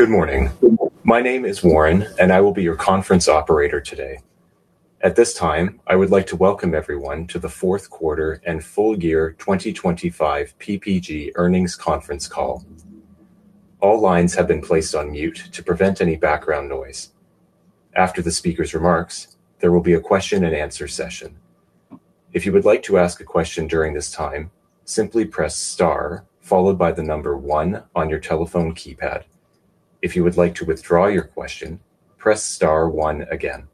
Good morning. My name is Warren, and I will be your conference operator today. At this time, I would like to welcome everyone to the fourth quarter and full year 2025 PPG Earnings Conference Call. All lines have been placed on mute to prevent any background noise. After the speaker's remarks, there will be a question and answer session. If you would like to ask a question during this time, simply press star followed by the number one on your telephone keypad. If you would like to withdraw your question, press star one again.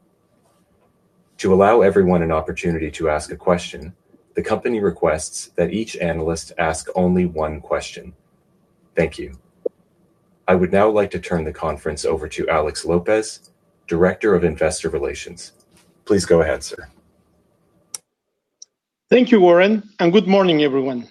To allow everyone an opportunity to ask a question, the company requests that each analyst ask only one question. Thank you. I would now like to turn the conference over to Alex Lopez, Director of Investor Relations. Please go ahead, sir. Thank you, Warren, and good morning, everyone.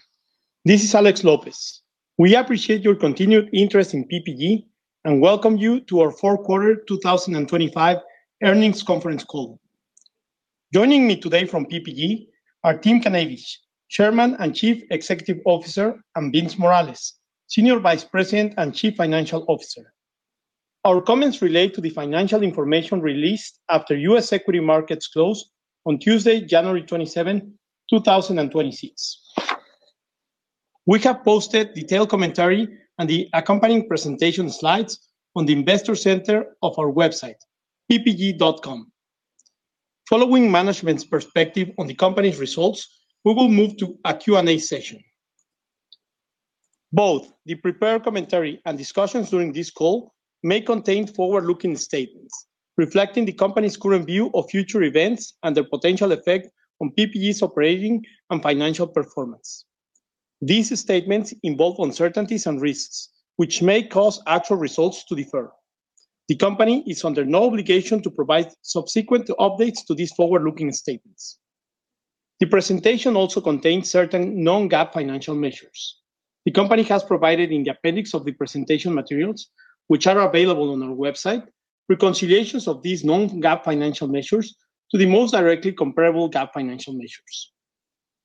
This is Alex Lopez. We appreciate your continued interest in PPG, and welcome you to our fourth quarter 2025 earnings conference call. Joining me today from PPG are Tim Knavish, Chairman and Chief Executive Officer, and Vince Morales, Senior Vice President and Chief Financial Officer. Our comments relate to the financial information released after U.S. equity markets closed on Tuesday, January 27, 2026. We have posted detailed commentary and the accompanying presentation slides on the investor center of our website, ppg.com. Following management's perspective on the company's results, we will move to a Q&A session. Both the prepared commentary and discussions during this call may contain forward-looking statements reflecting the company's current view of future events and their potential effect on PPG's operating and financial performance. These statements involve uncertainties and risks, which may cause actual results to differ. The company is under no obligation to provide subsequent updates to these forward-looking statements. The presentation also contains certain non-GAAP financial measures. The company has provided in the appendix of the presentation materials, which are available on our website, reconciliations of these non-GAAP financial measures to the most directly comparable GAAP financial measures.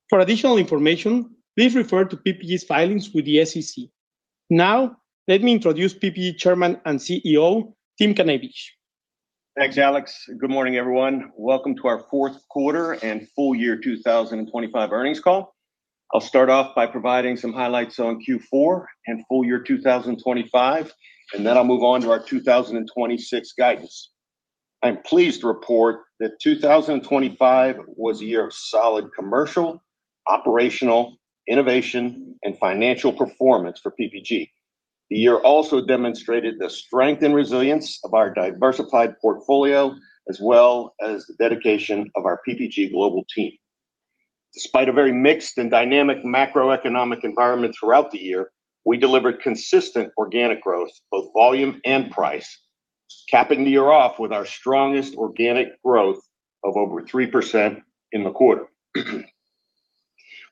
For additional information, please refer to PPG's filings with the SEC. Now, let me introduce PPG Chairman and CEO, Tim Knavish. Thanks, Alex. Good morning, everyone. Welcome to our fourth quarter and full year 2025 earnings call. I'll start off by providing some highlights on Q4 and full year 2025, and then I'll move on to our 2026 guidance. I'm pleased to report that 2025 was a year of solid commercial, operational, innovation, and financial performance for PPG. The year also demonstrated the strength and resilience of our diversified portfolio, as well as the dedication of our PPG global team. Despite a very mixed and dynamic macroeconomic environment throughout the year, we delivered consistent organic growth, both volume and price, capping the year off with our strongest organic growth of over 3% in the quarter.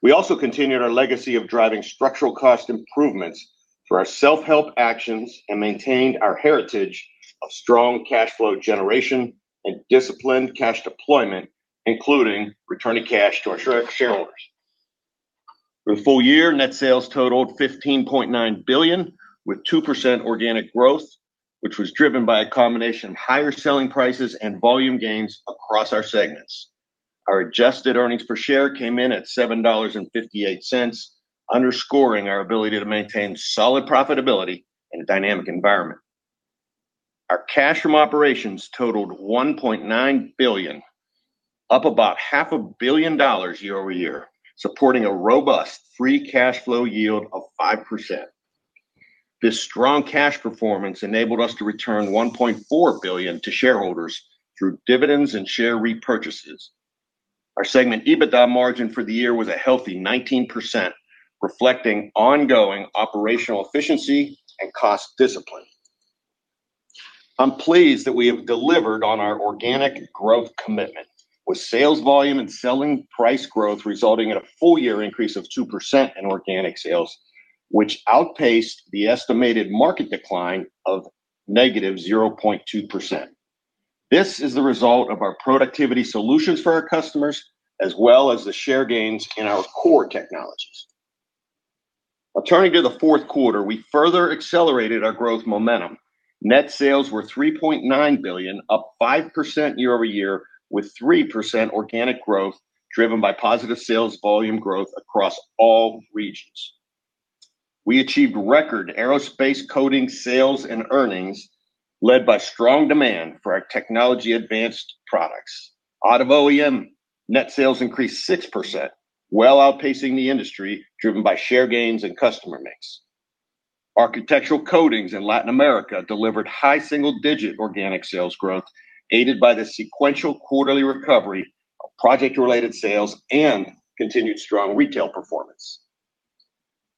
We also continued our legacy of driving structural cost improvements through our self-help actions and maintained our heritage of strong cash flow generation and disciplined cash deployment, including returning cash to our shareholders. For the full year, net sales totaled $15.9 billion, with 2% organic growth, which was driven by a combination of higher selling prices and volume gains across our segments. Our adjusted earnings per share came in at $7.58, underscoring our ability to maintain solid profitability in a dynamic environment. Our cash from operations totaled $1.9 billion, up about $500 million year-over-year, supporting a robust free cash flow yield of 5%. This strong cash performance enabled us to return $1.4 billion to shareholders through dividends and share repurchases. Our segment EBITDA margin for the year was a healthy 19%, reflecting ongoing operational efficiency and cost discipline. I'm pleased that we have delivered on our organic growth commitment, with sales volume and selling price growth resulting in a full year increase of 2% in organic sales, which outpaced the estimated market decline of -0.2%. This is the result of our productivity solutions for our customers, as well as the share gains in our core technologies. Now, turning to the fourth quarter, we further accelerated our growth momentum. Net sales were $3.9 billion, up 5% year-over-year, with 3% organic growth driven by positive sales volume growth across all regions. We achieved record Aerospace coatings, sales, and earnings, led by strong demand for our technology-advanced products. Automotive OEM net sales increased 6%, well outpacing the industry, driven by share gains and customer mix. Architectural Coatings in Latin America delivered high single-digit organic sales growth, aided by the sequential quarterly recovery of project-related sales and continued strong retail performance.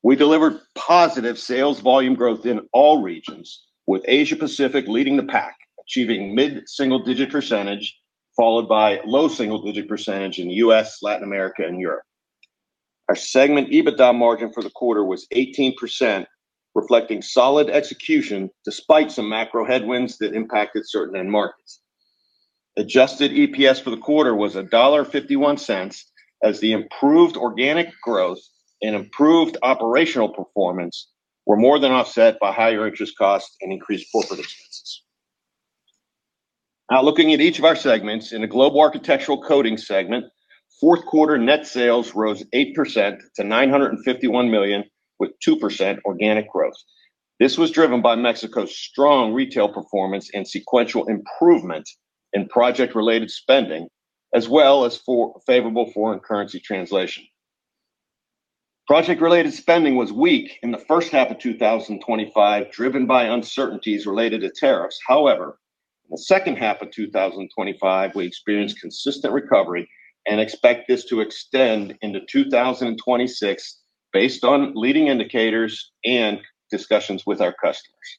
We delivered positive sales volume growth in all regions, with Asia Pacific leading the pack, achieving mid-single-digit percentage, followed by low single-digit percentage in U.S., Latin America, and Europe. Our segment EBITDA margin for the quarter was 18%, reflecting solid execution despite some macro headwinds that impacted certain end markets. Adjusted EPS for the quarter was $1.51, as the improved organic growth and improved operational performance were more than offset by higher interest costs and increased corporate expenses. Now, looking at each of our segments, in the Global Architectural Coatings segment, fourth quarter net sales rose 8% to $951 million, with 2% organic growth. This was driven by Mexico's strong retail performance and sequential improvement in project-related spending, as well as favorable foreign currency translation. Project-related spending was weak in the first half of 2025, driven by uncertainties related to tariffs. However, in the second half of 2025, we experienced consistent recovery and expect this to extend into 2026, based on leading indicators and discussions with our customers.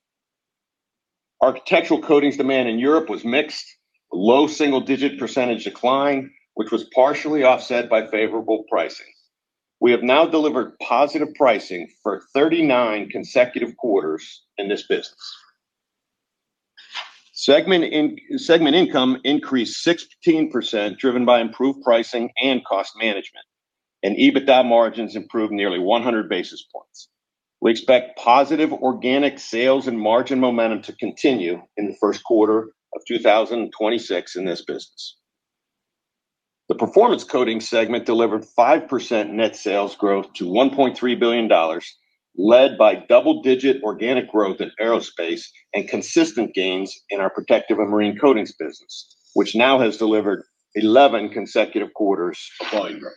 Architectural Coatings demand in Europe was mixed, low single-digit percentage decline, which was partially offset by favorable pricing. We have now delivered positive pricing for 39 consecutive quarters in this business. Segment income increased 16%, driven by improved pricing and cost management, and EBITDA margins improved nearly 100 basis points. We expect positive organic sales and margin momentum to continue in the first quarter of 2026 in this business. The Performance Coatings segment delivered 5% net sales growth to $1.3 billion, led by double-digit organic growth in Aerospace and consistent gains in our Protective and Marine Coatings business, which now has delivered 11 consecutive quarters of volume growth.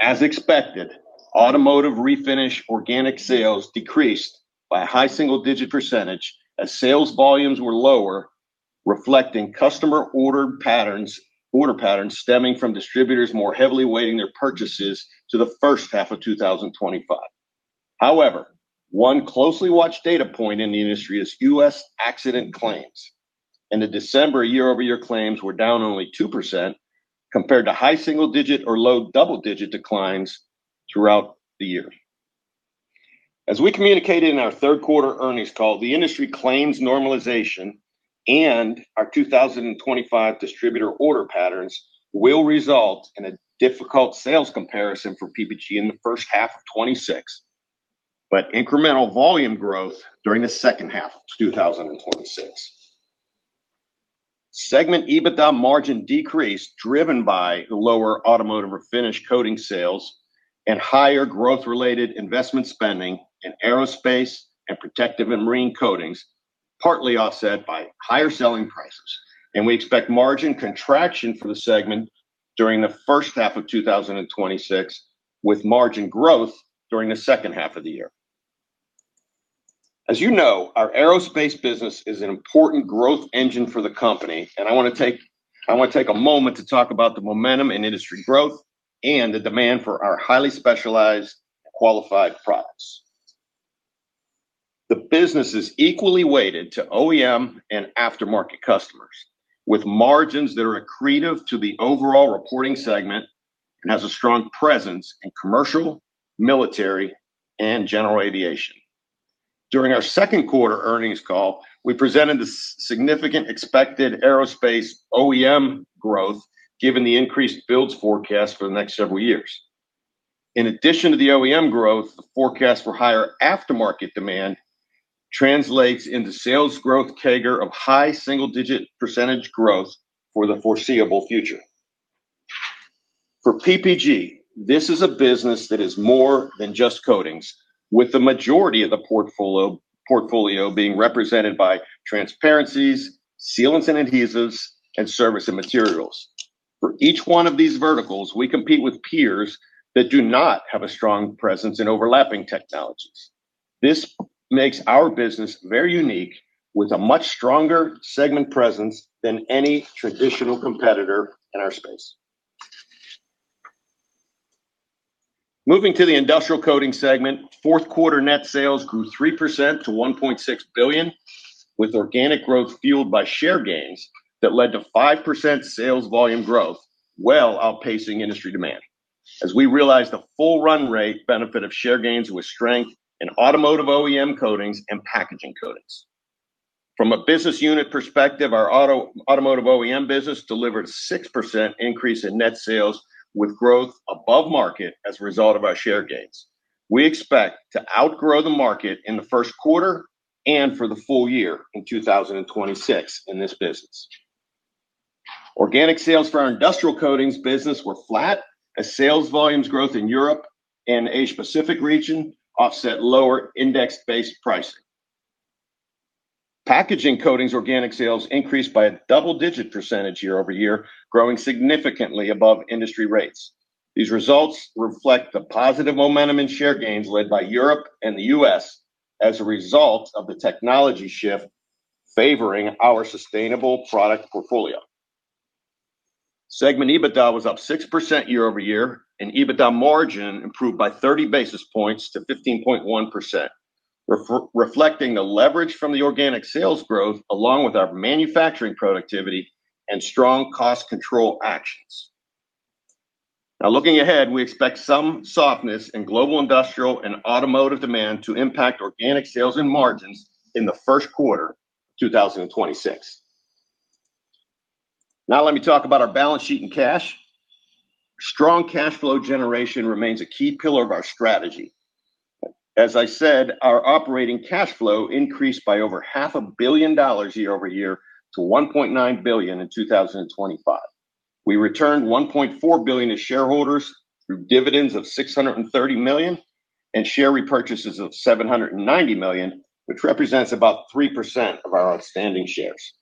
As expected, Automotive Refinish organic sales decreased by a high single-digit percentage as sales volumes were lower, reflecting customer order patterns, order patterns stemming from distributors more heavily weighting their purchases to the first half of 2025. However, one closely watched data point in the industry is U.S. accident claims, and the December year-over-year claims were down only 2% compared to high single-digit or low double-digit declines throughout the year. As we communicated in our third quarter earnings call, the industry claims normalization and our 2025 distributor order patterns will result in a difficult sales comparison for PPG in the first half of 2026, but incremental volume growth during the second half of 2026. Segment EBITDA margin decreased, driven by the lower Automotive Refinish Coating sales and higher growth-related investment spending in Aerospace and Protective and Marine Coatings, partly offset by higher selling prices, and we expect margin contraction for the segment during the first half of 2026, with margin growth during the second half of the year. As you know, our Aerospace business is an important growth engine for the company, and I want to take a moment to talk about the momentum in industry growth and the demand for our highly specialized qualified products. The business is equally weighted to OEM and aftermarket customers, with margins that are accretive to the overall reporting segment and has a strong presence in commercial, military, and general aviation. During our second quarter earnings call, we presented the significant expected Aerospace OEM growth, given the increased builds forecast for the next several years. In addition to the OEM growth, the forecast for higher aftermarket demand translates into sales growth CAGR of high single-digit percentage growth for the foreseeable future. For PPG, this is a business that is more than just coatings, with the majority of the portfolio, portfolio being represented by transparencies, sealants and adhesives, and service and materials. For each one of these verticals, we compete with peers that do not have a strong presence in overlapping technologies. This makes our business very unique, with a much stronger segment presence than any traditional competitor in our space. Moving to the Industrial Coatings segment, fourth quarter net sales grew 3% to $1.6 billion, with organic growth fueled by share gains that led to 5% sales volume growth, well outpacing industry demand. As we realized, the full run rate benefit of share gains was strength in automotive OEM coatings and packaging coatings. From a business unit perspective, our Automotive OEM business delivered a 6% increase in net sales, with growth above market as a result of our share gains. We expect to outgrow the market in the first quarter and for the full year in 2026 in this business. Organic sales for our Industrial Coatings business were flat, as sales volumes growth in Europe and Asia Pacific region offset lower index-based pricing. Packaging Coatings organic sales increased by a double-digit percentage year-over-year, growing significantly above industry rates. These results reflect the positive momentum in share gains led by Europe and the U.S. as a result of the technology shift favoring our sustainable product portfolio. Segment EBITDA was up 6% year-over-year, and EBITDA margin improved by 30 basis points to 15.1%, reflecting the leverage from the organic sales growth, along with our manufacturing productivity and strong cost control actions. Now, looking ahead, we expect some softness in global industrial and automotive demand to impact organic sales and margins in the first quarter, 2026. Now, let me talk about our balance sheet and cash. Strong cash flow generation remains a key pillar of our strategy. As I said, our operating cash flow increased by over $500 million year-over-year to $1.9 billion in 2025. We returned $1.4 billion to shareholders through dividends of $630 million, and share repurchases of $790 million, which represents about 3% of our outstanding shares.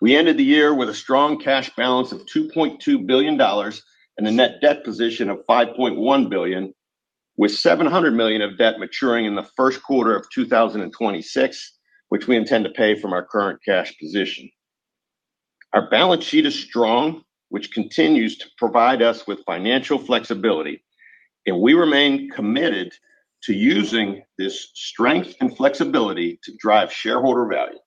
We ended the year with a strong cash balance of $2.2 billion and a net debt position of $5.1 billion, with $700 million of debt maturing in the first quarter of 2026, which we intend to pay from our current cash position. Our balance sheet is strong, which continues to provide us with financial flexibility, and we remain committed to using this strength and flexibility to drive shareholder value.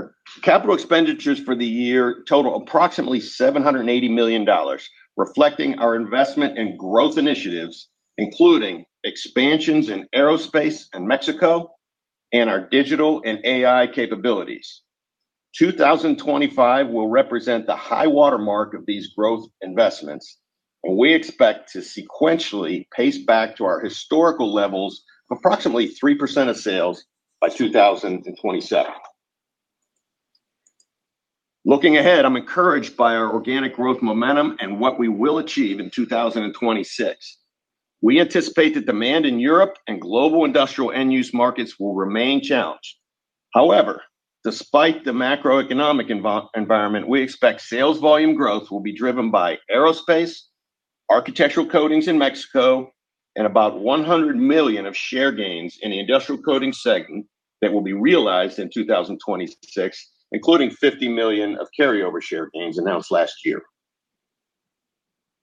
Our capital expenditures for the year total approximately $780 million, reflecting our investment in growth initiatives, including expansions in Aerospace and Mexico, and our digital and AI capabilities. 2025 will represent the high-water mark of these growth investments, and we expect to sequentially pace back to our historical levels of approximately 3% of sales by 2027. Looking ahead, I'm encouraged by our organic growth momentum and what we will achieve in 2026. We anticipate that demand in Europe and global industrial end-use markets will remain challenged. However, despite the macroeconomic environment, we expect sales volume growth will be driven by Aerospace, Architectural Coatings in Mexico, and about $100 million of share gains in the Industrial Coatings segment that will be realized in 2026, including $50 million of carryover share gains announced last year.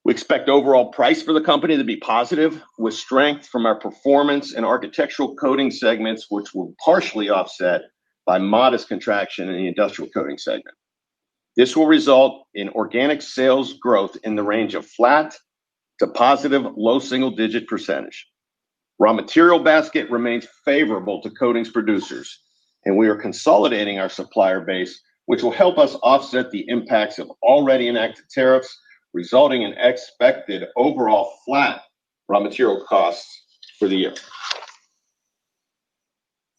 We expect overall price for the company to be positive, with strength from our Performance Coatings and Architectural Coatings segments, which will partially offset by modest contraction in the Industrial Coatings segment. This will result in organic sales growth in the range of flat to positive low single-digit percentage. Raw material basket remains favorable to coatings producers, and we are consolidating our supplier base, which will help us offset the impacts of already enacted tariffs, resulting in expected overall flat raw material costs for the year.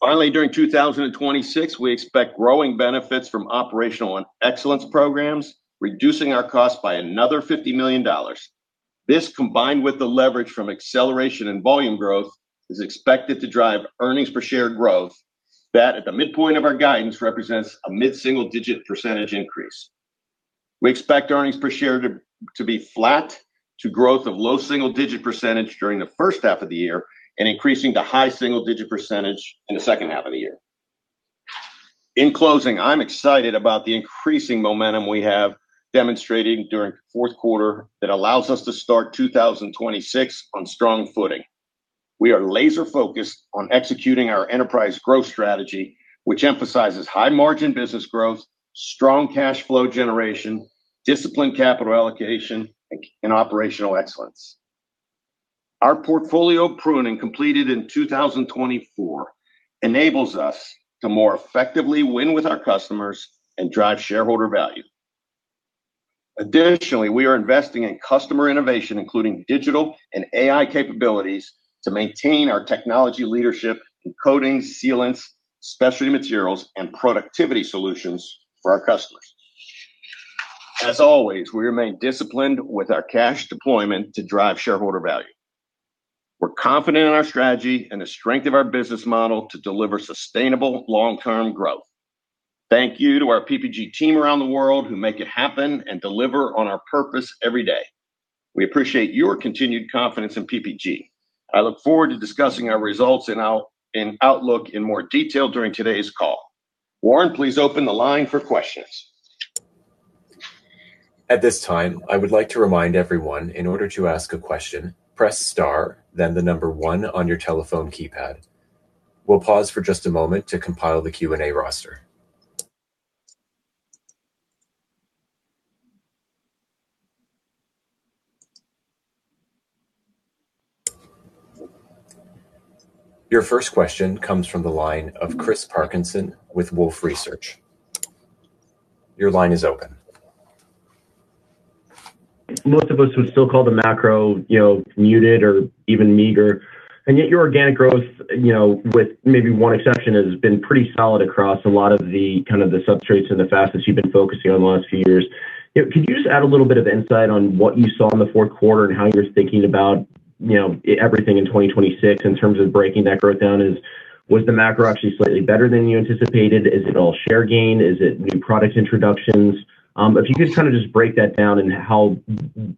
Finally, during 2026, we expect growing benefits from operational and excellence programs, reducing our costs by another $50 million. This, combined with the leverage from acceleration and volume growth, is expected to drive earnings per share growth that at the midpoint of our guidance represents a mid-single-digit percentage increase. We expect earnings per share to be flat to growth of low single-digit percentage during the first half of the year and increasing to high single-digit percentage in the second half of the year. In closing, I'm excited about the increasing momentum we have demonstrating during the fourth quarter that allows us to start 2026 on strong footing. We are laser-focused on executing our enterprise growth strategy, which emphasizes high-margin business growth, strong cash flow generation, disciplined capital allocation, and operational excellence. Our portfolio pruning, completed in 2024, enables us to more effectively win with our customers and drive shareholder value. Additionally, we are investing in customer innovation, including digital and AI capabilities, to maintain our technology leadership in coatings, sealants, specialty materials, and productivity solutions for our customers. As always, we remain disciplined with our cash deployment to drive shareholder value. We're confident in our strategy and the strength of our business model to deliver sustainable long-term growth. Thank you to our PPG team around the world who make it happen and deliver on our purpose every day. We appreciate your continued confidence in PPG. I look forward to discussing our results and outlook in more detail during today's call. Warren, please open the line for questions. At this time, I would like to remind everyone, in order to ask a question, press star, then the number one on your telephone keypad. We'll pause for just a moment to compile the Q&A roster. Your first question comes from the line of Chris Parkinson with Wolfe Research. Your line is open. Most of us would still call the macro, you know, muted or even meager, and yet your organic growth, you know, with maybe one exception, has been pretty solid across a lot of the kind of the substrates or the facets you've been focusing on the last few years. You know, could you just add a little bit of insight on what you saw in the fourth quarter and how you're thinking about, you know, everything in 2026 in terms of breaking that growth down? Was the macro actually slightly better than you anticipated? Is it all share gain? Is it new product introductions? If you could kind of just break that down and how,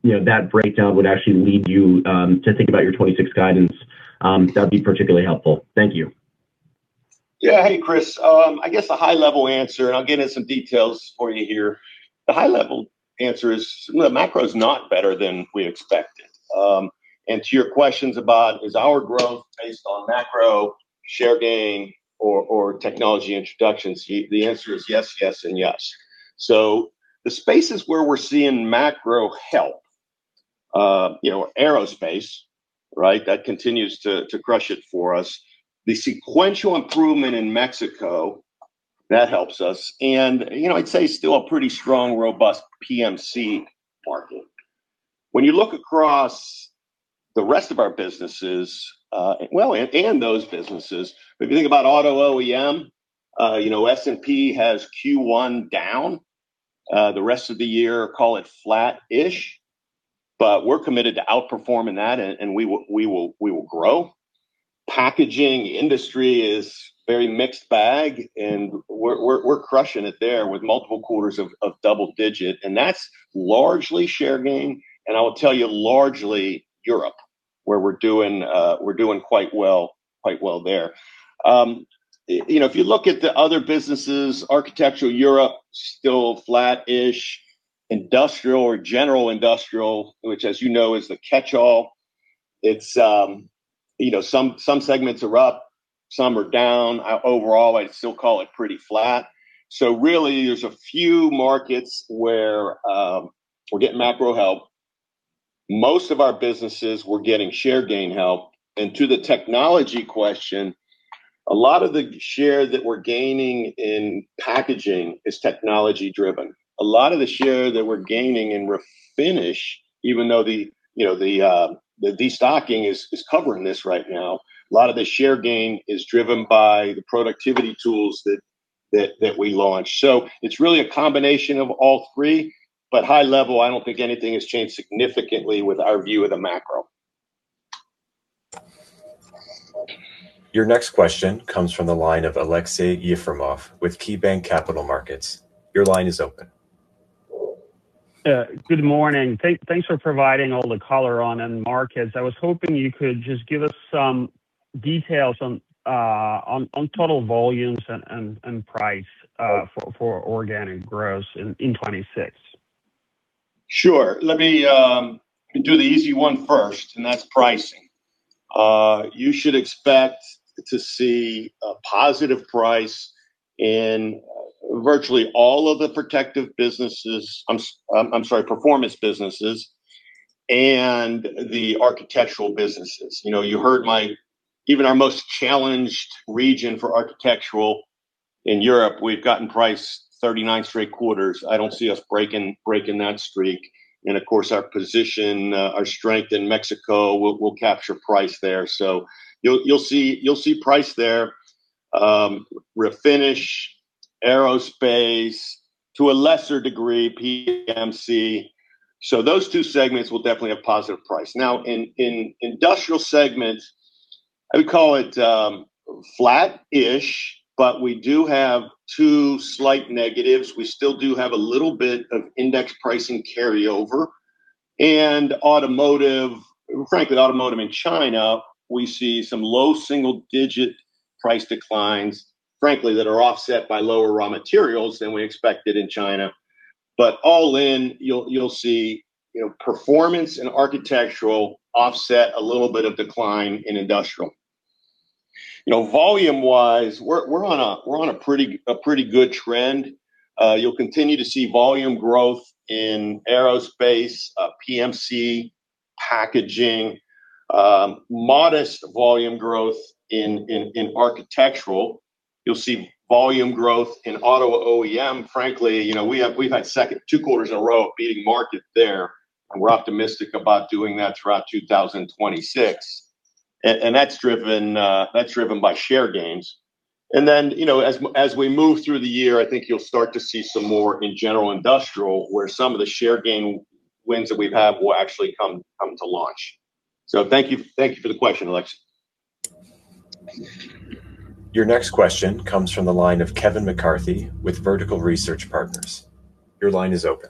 you know, that breakdown would actually lead you to think about your 2026 guidance, that'd be particularly helpful. Thank you. Yeah. Hey, Chris. I guess the high-level answer, and I'll get into some details for you here. The high-level answer is, well, the macro is not better than we expected. And to your questions about, is our growth based on macro? Share gain or, or technology introductions, the answer is yes, yes, and yes. So the spaces where we're seeing macro help, you know, Aerospace, right? That continues to crush it for us. The sequential improvement in Mexico, that helps us. And, you know, I'd say still a pretty strong, robust PMC market. When you look across the rest of our businesses, and those businesses, if you think about Automotive OEM, you know, S&P has Q1 down. The rest of the year, call it flat-ish. But we're committed to outperforming that, and we will, we will, we will grow. Packaging industry is very mixed bag, and we're crushing it there with multiple quarters of double-digit, and that's largely share gain. And I will tell you largely Europe, where we're doing quite well, quite well there. You know, if you look at the other businesses, architectural Europe, still flat-ish. Industrial or general industrial, which, as you know, is the catch-all, it's you know, some segments are up, some are down. Overall, I'd still call it pretty flat. So really, there's a few markets where we're getting macro help. Most of our businesses, we're getting share gain help. And to the technology question, a lot of the share that we're gaining in packaging is technology-driven. A lot of the share that we're gaining in Refinish, even though the, you know, the destocking is covering this right now, a lot of the share gain is driven by the productivity tools that we launched. So it's really a combination of all three, but high level, I don't think anything has changed significantly with our view of the macro. Your next question comes from the line of Aleksey Yefremov with KeyBanc Capital Markets. Your line is open. Good morning. Thanks for providing all the color on end markets. I was hoping you could just give us some details on total volumes and price for organic growth in 2026. Sure. Let me do the easy one first, and that's pricing. You should expect to see a positive price in virtually all of the protective businesses... I'm sorry, performance businesses and the architectural businesses. You know, you heard me even our most challenged region for architectural in Europe, we've gotten price 39 straight quarters. I don't see us breaking that streak. And of course, our position, our strength in Mexico, we'll capture price there. So you'll see price there. Refinish, Aerospace, to a lesser degree, PMC. So those two segments will definitely have positive price. Now, in industrial segments, I would call it flat-ish, but we do have two slight negatives. We still do have a little bit of index pricing carryover. Automotive, frankly, automotive in China, we see some low single-digit price declines, frankly, that are offset by lower raw materials than we expected in China. But all in, you'll see, you know, performance and architectural offset a little bit of decline in industrial. You know, volume-wise, we're on a pretty good trend. You'll continue to see volume growth in Aerospace, PMC, packaging, modest volume growth in architectural. You'll see volume growth in auto OEM. Frankly, you know, we've had two quarters in a row of beating market there, and we're optimistic about doing that throughout 2026. And that's driven by share gains. Then, you know, as we move through the year, I think you'll start to see some more in general industrial, where some of the share gain wins that we've had will actually come to launch. So thank you for the question, Aleksey. Your next question comes from the line of Kevin McCarthy with Vertical Research Partners. Your line is open.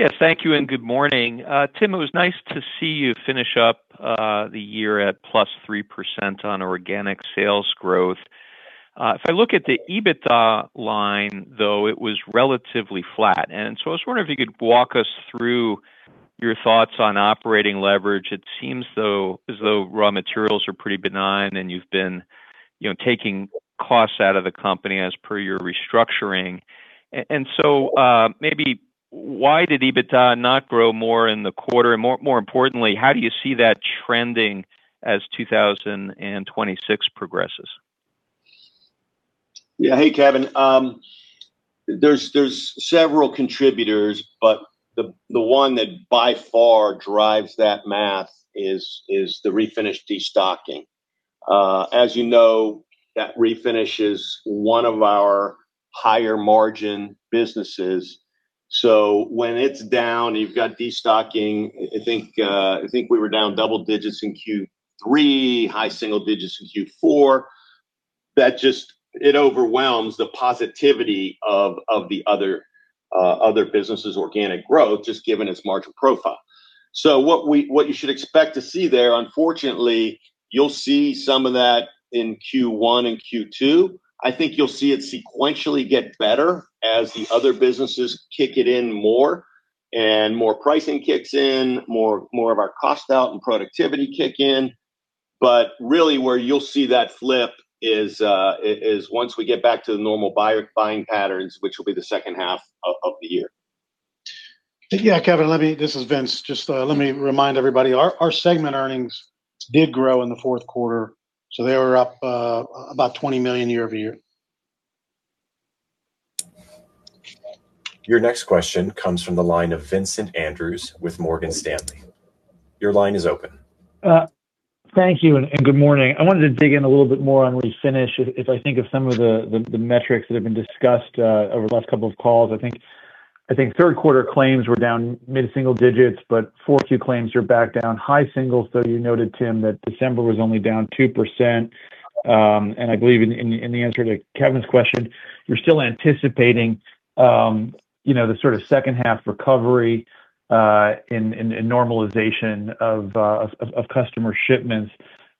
Yes, thank you, and good morning. Tim, it was nice to see you finish up the year at +3% on organic sales growth. If I look at the EBITDA line, though, it was relatively flat, and so I was wondering if you could walk us through your thoughts on operating leverage. It seems though, as though raw materials are pretty benign, and you've been, you know, taking costs out of the company as per your restructuring. And so, maybe why did EBITDA not grow more in the quarter? And more, more importantly, how do you see that trending as 2026 progresses? Yeah. Hey, Kevin. There's several contributors, but the one that by far drives that math is the Refinish destocking. As you know, that Refinish is one of our higher-margin businesses. So when it's down, you've got destocking. I think we were down double digits in Q3, high single digits in Q4. That just... It overwhelms the positivity of the other businesses' organic growth, just given its margin profile. So what you should expect to see there, unfortunately, you'll see some of that in Q1 and Q2. I think you'll see it sequentially get better as the other businesses kick it in more.... and more pricing kicks in, more of our cost out and productivity kick in. But really where you'll see that flip is once we get back to the normal buyer buying patterns, which will be the second half of the year. Yeah, Kevin, let me. This is Vince. Just let me remind everybody, our segment earnings did grow in the fourth quarter, so they were up about $20 million year-over-year. Your next question comes from the line of Vincent Andrews with Morgan Stanley. Your line is open. Thank you and good morning. I wanted to dig in a little bit more on Refinish. If I think of some of the metrics that have been discussed over the last couple of calls, I think third quarter claims were down mid-single digits, but Q2 claims are back down high singles. So you noted, Tim, that December was only down 2%. And I believe in the answer to Kevin's question, you're still anticipating, you know, the sort of second half recovery and normalization of customer shipments.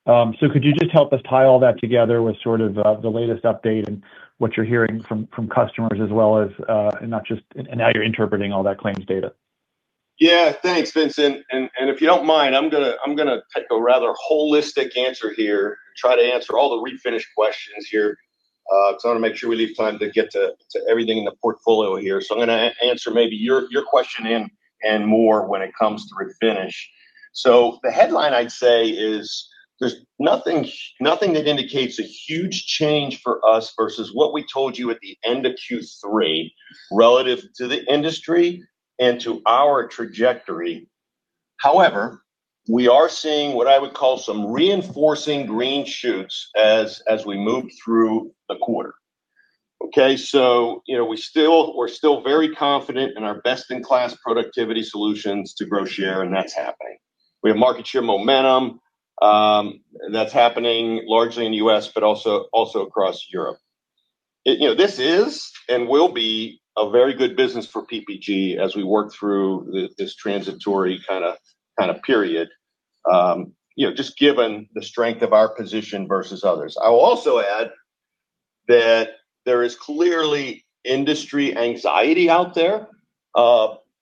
So could you just help us tie all that together with sort of the latest update and what you're hearing from customers as well as and not just... And how you're interpreting all that claims data? Yeah, thanks, Vincent. And if you don't mind, I'm gonna take a rather holistic answer here and try to answer all the Refinish questions here, because I want to make sure we leave time to get to everything in the portfolio here. So I'm gonna answer maybe your question and more when it comes to Refinish. So the headline I'd say is there's nothing, nothing that indicates a huge change for us versus what we told you at the end of Q3, relative to the industry and to our trajectory. However, we are seeing what I would call some reinforcing green shoots as we move through the quarter. Okay, so you know, we're still very confident in our best-in-class productivity solutions to grow share, and that's happening. We have market share momentum, that's happening largely in the U.S., but also across Europe. It. You know, this is and will be a very good business for PPG as we work through this transitory kind of period, you know, just given the strength of our position versus others. I will also add that there is clearly industry anxiety out there,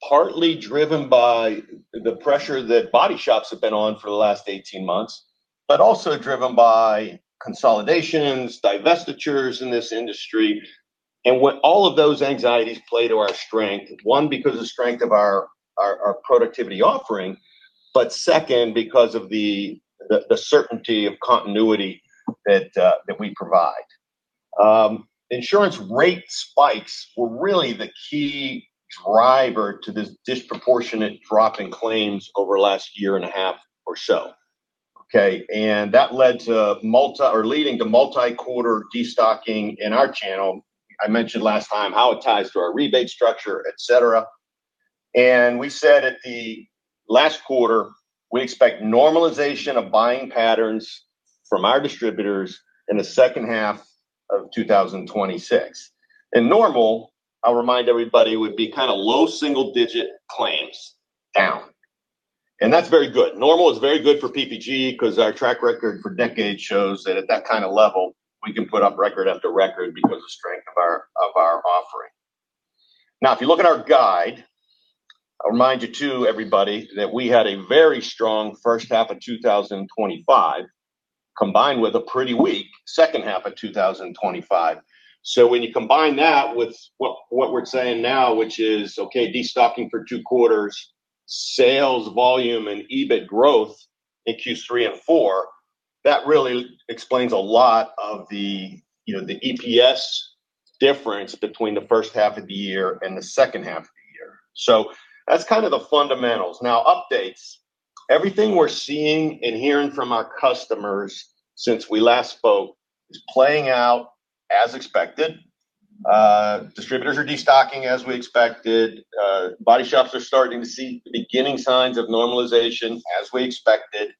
partly driven by the pressure that body shops have been on for the last 18 months, but also driven by consolidations, divestitures in this industry. And what all of those anxieties play to our strength, one, because the strength of our productivity offering, but second, because of the certainty of continuity that we provide. Insurance rate spikes were really the key driver to this disproportionate drop in claims over the last year and a half or so, okay? And that led to multi- or leading to multi-quarter destocking in our channel. I mentioned last time how it ties to our rebate structure, et cetera. And we said at the last quarter, we expect normalization of buying patterns from our distributors in the second half of 2026. And normal, I'll remind everybody, would be kind of low double-digit claims down, and that's very good. Normal is very good for PPG because our track record for decades shows that at that kind of level, we can put up record after record because of the strength of our, of our offering. Now, if you look at our guide, I'll remind you too, everybody, that we had a very strong first half of 2025, combined with a pretty weak second half of 2025. So when you combine that with what we're saying now, which is, okay, destocking for two quarters, sales volume and EBIT growth in Q3 and Q4, that really explains a lot of the, you know, the EPS difference between the first half of the year and the second half of the year. So that's kind of the fundamentals. Now, updates. Everything we're seeing and hearing from our customers since we last spoke is playing out as expected. Distributors are destocking as we expected. Body shops are starting to see the beginning signs of normalization as we expected,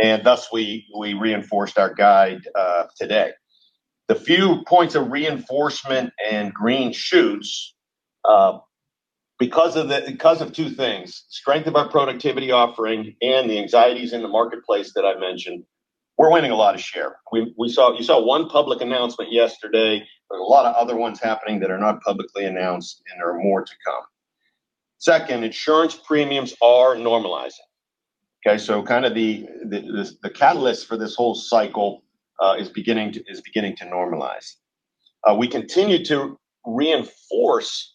and thus we reinforced our guide today. The few points of reinforcement and green shoots, because of two things, strength of our productivity offering and the anxieties in the marketplace that I mentioned, we're winning a lot of share. You saw one public announcement yesterday, but a lot of other ones happening that are not publicly announced and are more to come. Second, insurance premiums are normalizing. Okay, so kind of the catalyst for this whole cycle is beginning to normalize. We continue to reinforce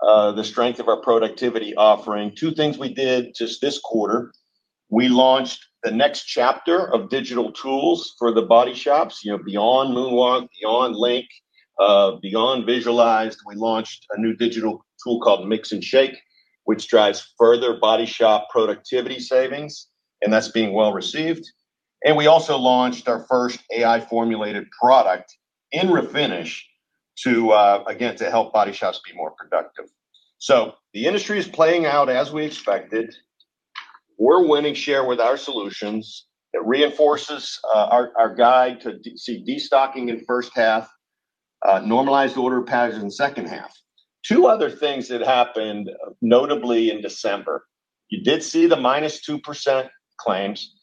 the strength of our productivity offering. Two things we did just this quarter, we launched the next chapter of digital tools for the body shops, you know, beyond MoonWalk, beyond LINQ, beyond VisualizID. We launched a new digital tool called Mix'n'Shake, which drives further body shop productivity savings, and that's being well received. We also launched our first AI-formulated product in Refinish to, again, to help body shops be more productive. So the industry is playing out as we expected. We're winning share with our solutions. It reinforces our guide to destocking in first half, normalized order patterns in the second half. Two other things that happened, notably in December. You did see the -2% claims,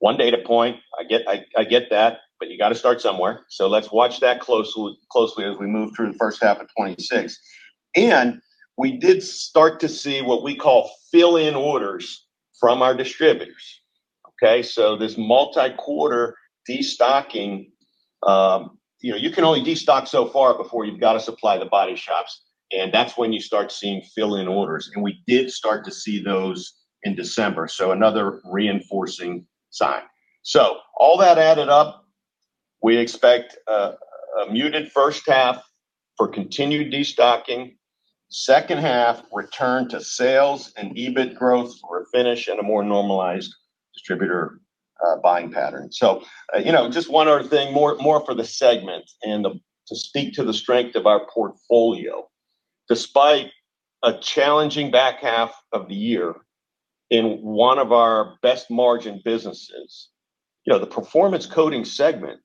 one data point. I get, I, I get that, but you got to start somewhere. So let's watch that closely, closely as we move through the first half of 2026. And we did start to see what we call fill-in orders from our distributors, okay? So this multi-quarter destocking, you know, you can only destock so far before you've got to supply the body shops, and that's when you start seeing fill-in orders, and we did start to see those in December. So another reinforcing sign. So all that added up, we expect a muted first half for continued destocking. Second half, return to sales and EBIT growth for Refinish and a more normalized distributor buying pattern. So, you know, just one other thing, more for the segment and to speak to the strength of our portfolio. Despite a challenging back half of the year in one of our best margin businesses, you know, the Performance Coatings segment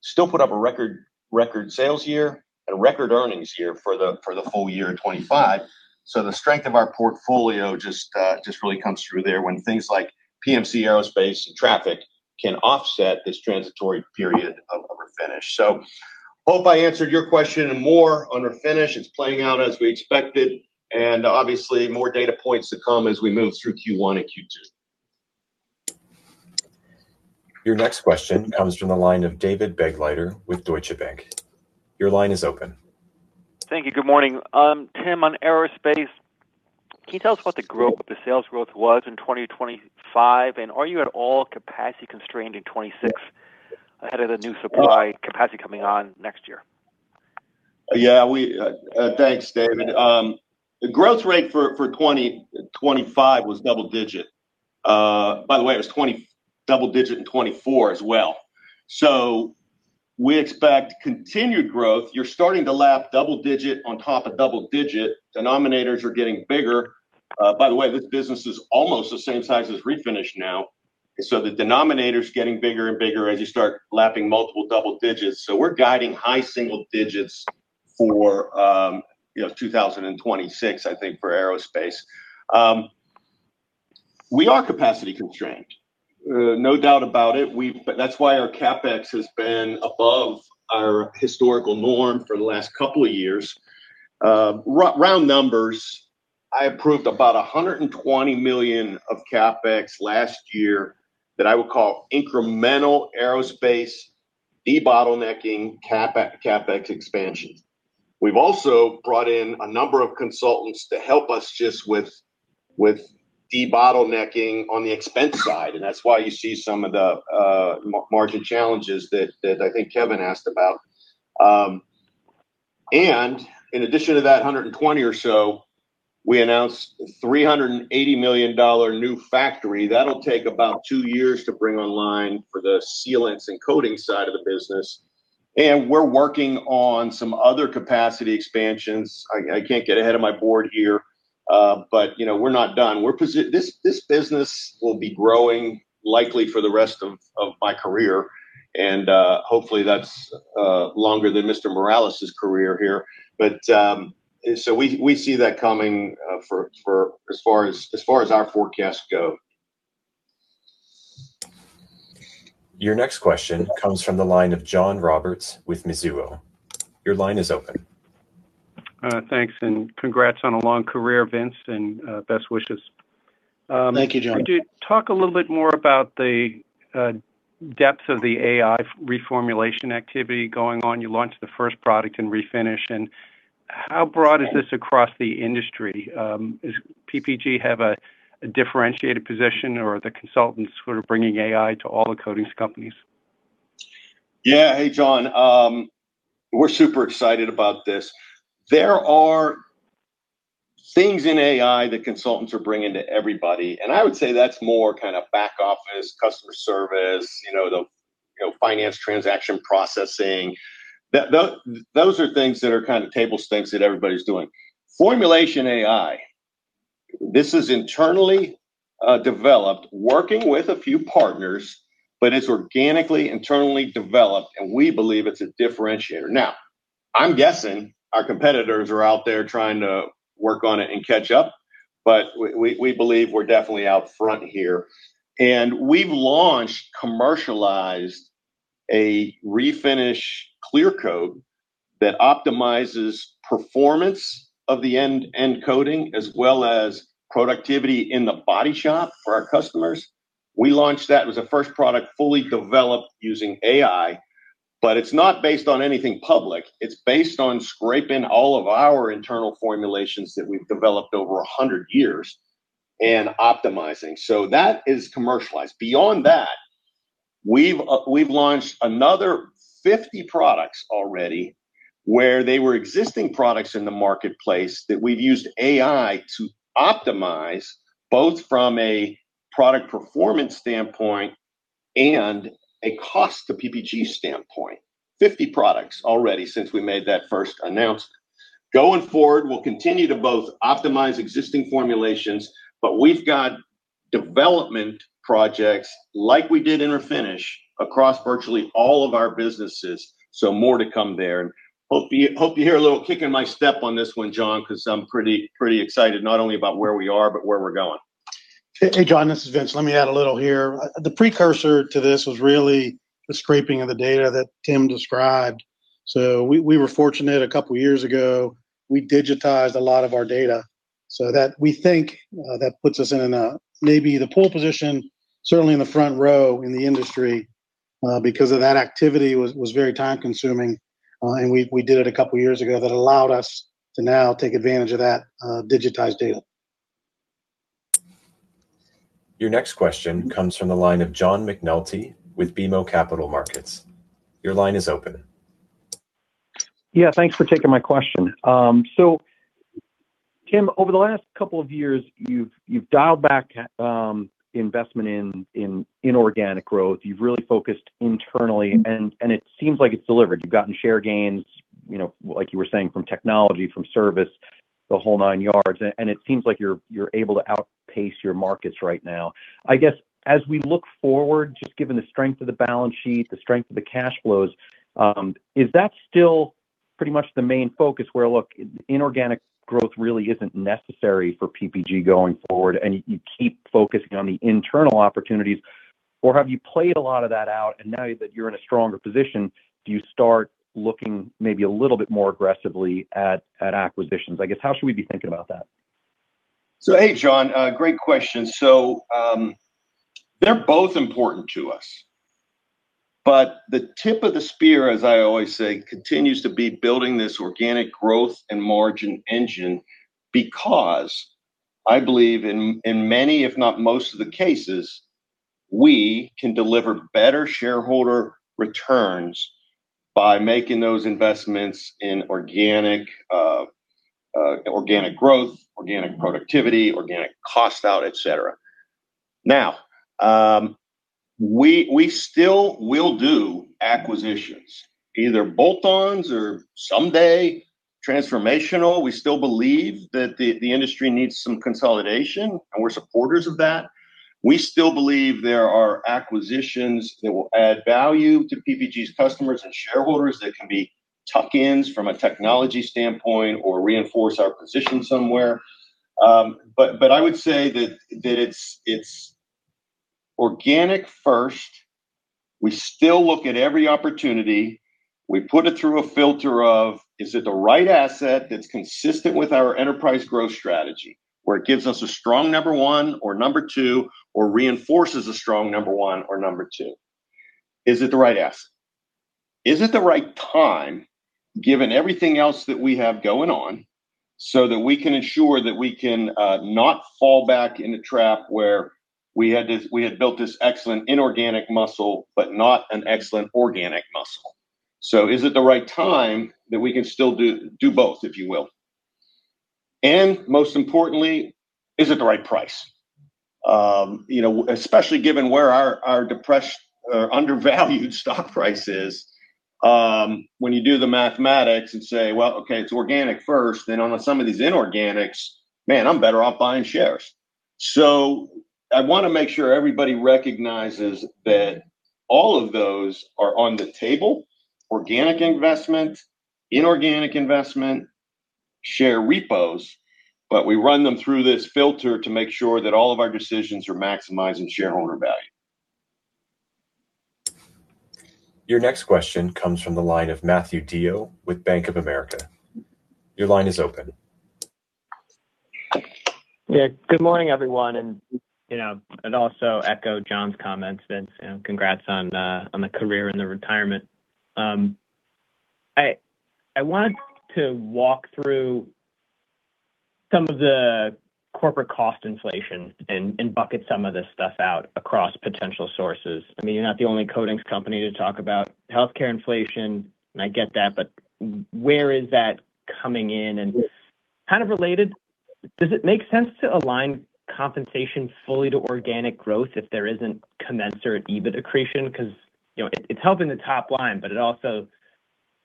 still put up a record sales year and record earnings year for the full year in 2025. So the strength of our portfolio just just really comes through there when things like PMC, Aerospace, and Traffic can offset this transitory period of Refinish. So, hope I answered your question and more on Refinish. It's playing out as we expected, and obviously, more data points to come as we move through Q1 and Q2. Your next question comes from the line of David Begleiter with Deutsche Bank. Your line is open. Thank you. Good morning. Tim, on Aerospace, can you tell us what the growth, the sales growth was in 2025? And are you at all capacity constrained in 2026 ahead of the new supply capacity coming on next year? Yeah, we... Thanks, David. The growth rate for 2025 was double-digit. By the way, it was 20 double-digit in 2024 as well. So we expect continued growth. You're starting to lap double-digit on top of double-digit. Denominators are getting bigger. By the way, this business is almost the same size as Refinish now, so the denominator's getting bigger and bigger as you start lapping multiple double-digits. So we're guiding high single digits for, you know, 2026, I think, for Aerospace. We are capacity constrained, no doubt about it. But that's why our CapEx has been above our historical norm for the last couple of years. Round numbers, I approved about $120 million of CapEx last year that I would call incremental Aerospace, debottlenecking, CapEx, CapEx expansions. We've also brought in a number of consultants to help us just with debottlenecking on the expense side, and that's why you see some of the margin challenges that I think Kevin asked about. And in addition to that 120 or so, we announced $380 million new factory. That'll take about two years to bring online for the sealants and coating side of the business, and we're working on some other capacity expansions. I can't get ahead of my board here, but you know, we're not done. This business will be growing likely for the rest of my career, and hopefully, that's longer than Mr. Morales' career here. But so we see that coming for as far as our forecasts go. Your next question comes from the line of John Roberts with Mizuho. Your line is open. Thanks, and congrats on a long career, Vince, and best wishes. Thank you, John. Could you talk a little bit more about the depth of the AI reformulation activity going on? You launched the first product in Refinish, and how broad is this across the industry? Does PPG have a differentiated position, or are the consultants sort of bringing AI to all the coatings companies? Yeah. Hey, John. We're super excited about this. There are things in AI that consultants are bringing to everybody, and I would say that's more kind of back office, customer service, you know, the, you know, finance transaction processing. That, those are things that are kind of table stakes that everybody's doing. Formulation AI, this is internally developed, working with a few partners, but it's organically, internally developed, and we believe it's a differentiator. Now, I'm guessing our competitors are out there trying to work on it and catch up, but we, we, we believe we're definitely out front here. We've launched, commercialized a Refinish clear coat that optimizes performance of the end, end coating, as well as productivity in the body shop for our customers. We launched that. It was the first product fully developed using AI, but it's not based on anything public. It's based on scraping all of our internal formulations that we've developed over 100 years and optimizing. So that is commercialized. Beyond that, we've launched another 50 products already, where they were existing products in the marketplace, that we've used AI to optimize, both from a product performance standpoint and a cost to PPG standpoint. 50 products already since we made that first announcement. Going forward, we'll continue to both optimize existing formulations, but we've got development projects like we did in our Refinish across virtually all of our businesses, so more to come there. And hope you, hope you hear a little kick in my step on this one, John, because I'm pretty, pretty excited, not only about where we are, but where we're going. Hey, John, this is Vince. Let me add a little here. The precursor to this was really the scraping of the data that Tim described. So we were fortunate a couple of years ago. We digitized a lot of our data, so that we think that puts us in maybe the pole position, certainly in the front row in the industry, because that activity was very time-consuming, and we did it a couple of years ago. That allowed us to now take advantage of that digitized data. Your next question comes from the line of John McNulty with BMO Capital Markets. Your line is open. Yeah, thanks for taking my question. So Tim, over the last couple of years, you've dialed back investment in inorganic growth. You've really focused internally, and it seems like it's delivered. You've gotten share gains, you know, like you were saying, from technology, from service, the whole nine yards, and it seems like you're able to outpace your markets right now. I guess, as we look forward, just given the strength of the balance sheet, the strength of the cash flows, is that still pretty much the main focus, where, look, inorganic growth really isn't necessary for PPG going forward, and you keep focusing on the internal opportunities? Or have you played a lot of that out, and now that you're in a stronger position, do you start looking maybe a little bit more aggressively at acquisitions? I guess, how should we be thinking about that? So, hey, John, great question. So, they're both important to us. But the tip of the spear, as I always say, continues to be building this organic growth and margin engine because I believe in many, if not most of the cases, we can deliver better shareholder returns by making those investments in organic, organic growth, organic productivity, organic cost out, et cetera. Now, we still will do acquisitions, either bolt-ons or someday transformational. We still believe that the industry needs some consolidation, and we're supporters of that. We still believe there are acquisitions that will add value to PPG's customers and shareholders, that can be tuck-ins from a technology standpoint or reinforce our position somewhere. But I would say that it's organic first. We still look at every opportunity. We put it through a filter of: Is it the right asset that's consistent with our enterprise growth strategy, where it gives us a strong number one or number two, or reinforces a strong number one or number two? Is it the right asset? Is it the right time, given everything else that we have going on, so that we can ensure that we can not fall back in the trap where we had this—we had built this excellent inorganic muscle, but not an excellent organic muscle. So is it the right time that we can still do, do both, if you will? And most importantly, is it the right price? You know, especially given where our depressed or undervalued stock price is, when you do the mathematics and say, "Well, okay, it's organic first, then on some of these inorganics, man, I'm better off buying shares." So I wanna make sure everybody recognizes that all of those are on the table: organic investment, inorganic investment, share repos, but we run them through this filter to make sure that all of our decisions are maximizing shareholder value. Your next question comes from the line of Matthew DeYoe with Bank of America. Your line is open. Yeah. Good morning, everyone, and, you know, and also echo John's comments, Vince, and congrats on the, on the career and the retirement. I wanted to walk through some of the corporate cost inflation and bucket some of this stuff out across potential sources. I mean, you're not the only coatings company to talk about healthcare inflation, and I get that, but where is that coming in? And kind of related, does it make sense to align compensation fully to organic growth if there isn't commensurate EBITDA accretion? Because, you know, it's helping the top line, but it also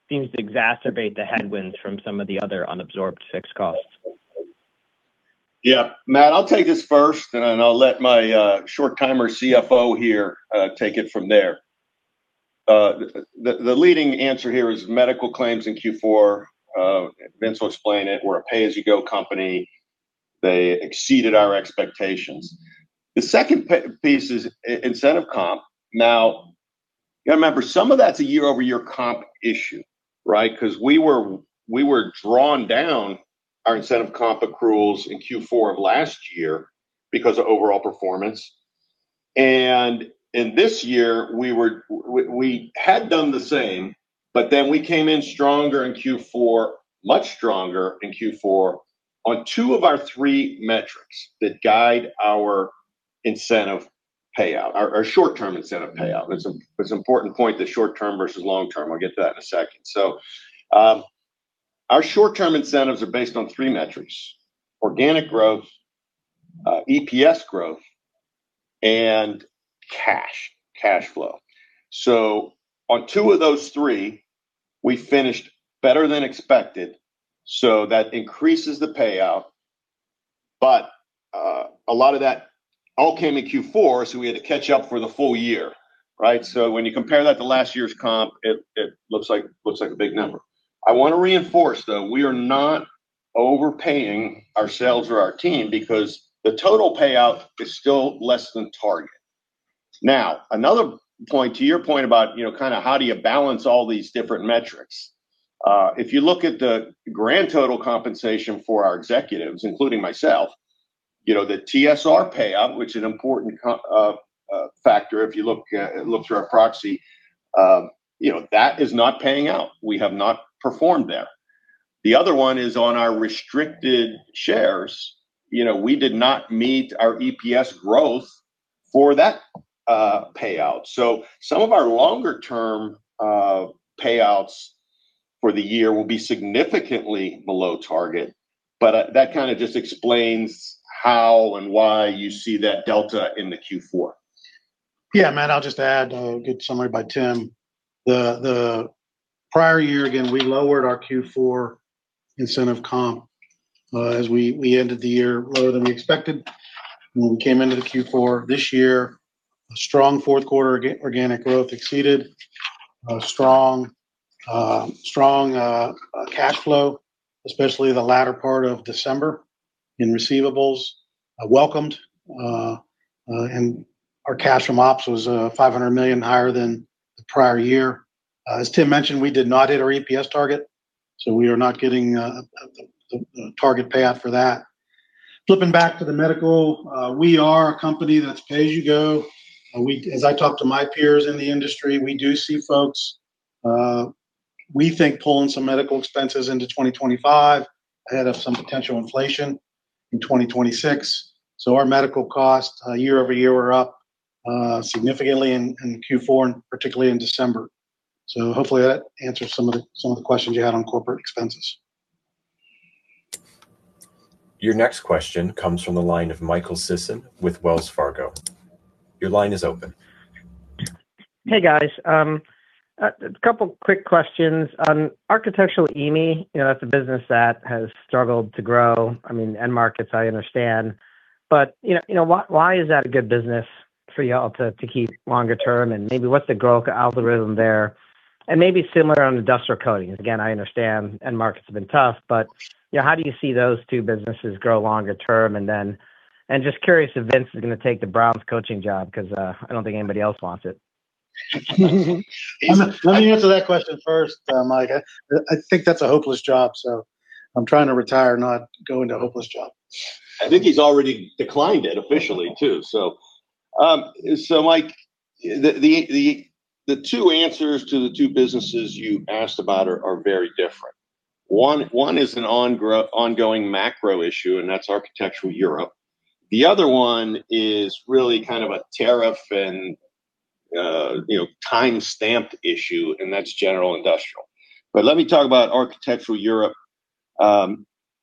seems to exacerbate the headwinds from some of the other unabsorbed fixed costs. Yeah. Matt, I'll take this first, then, and I'll let my short-timer CFO here take it from there. The leading answer here is medical claims in Q4. Vince will explain it. We're a pay-as-you-go company. They exceeded our expectations. The second piece is incentive comp. Now, you gotta remember, some of that's a year-over-year comp issue, right? 'Cause we were drawn down our incentive comp accruals in Q4 of last year because of overall performance. And in this year, we were-- we had done the same, but then we came in stronger in Q4, much stronger in Q4, on two of our three metrics that guide our incentive payout, or short-term incentive payout. It's an important point, the short term versus long term. I'll get to that in a second. So, our short-term incentives are based on three metrics: organic growth, EPS growth, and cash flow. So on two of those three. We finished better than expected, so that increases the payout. But, a lot of that all came in Q4, so we had to catch up for the full year, right? So when you compare that to last year's comp, it looks like a big number. I wanna reinforce, though, we are not overpaying ourselves or our team because the total payout is still less than target. Now, another point, to your point about, you know, kinda how do you balance all these different metrics? If you look at the grand total compensation for our executives, including myself, you know, the TSR payout, which is an important cofactor if you look through our proxy, you know, that is not paying out. We have not performed there. The other one is on our restricted shares. You know, we did not meet our EPS growth for that, payout. So some of our longer-term, payouts for the year will be significantly below target, but, that kinda just explains how and why you see that delta in the Q4. Yeah, Matt, I'll just add, good summary by Tim. The prior year, again, we lowered our Q4 incentive comp, as we ended the year lower than we expected. When we came into the Q4 this year, a strong fourth quarter organic growth exceeded a strong cash flow, especially the latter part of December in receivables, welcomed, and our cash from ops was $500 million higher than the prior year. As Tim mentioned, we did not hit our EPS target, so we are not getting the target payout for that. Flipping back to the medical, we are a company that's pay-as-you-go. As I talk to my peers in the industry, we do see folks, we think, pulling some medical expenses into 2025, ahead of some potential inflation in 2026. So our medical costs, year-over-year were up significantly in Q4, and particularly in December. So hopefully that answers some of the, some of the questions you had on corporate expenses. Your next question comes from the line of Michael Sisson with Wells Fargo. Your line is open. Hey, guys. A couple quick questions. Architectural EMI, you know, that's a business that has struggled to grow. I mean, end markets, I understand. But, you know, you know, why, why is that a good business for y'all to keep longer term? And maybe what's the growth algorithm there? And maybe similar on Industrial Coatings. Again, I understand end markets have been tough, but, you know, how do you see those two businesses grow longer term? And then, and just curious if Vince is gonna take the Browns coaching job, 'cause I don't think anybody else wants it. Let me answer that question first, Mike. I think that's a hopeless job, so I'm trying to retire, not go into a hopeless job. I think he's already declined it officially, too. So, Mike, the two answers to the two businesses you asked about are very different. One is an ongoing macro issue, and that's architectural Europe. The other one is really kind of a tariff and, you know, timestamped issue, and that's general industrial. But let me talk about architectural Europe.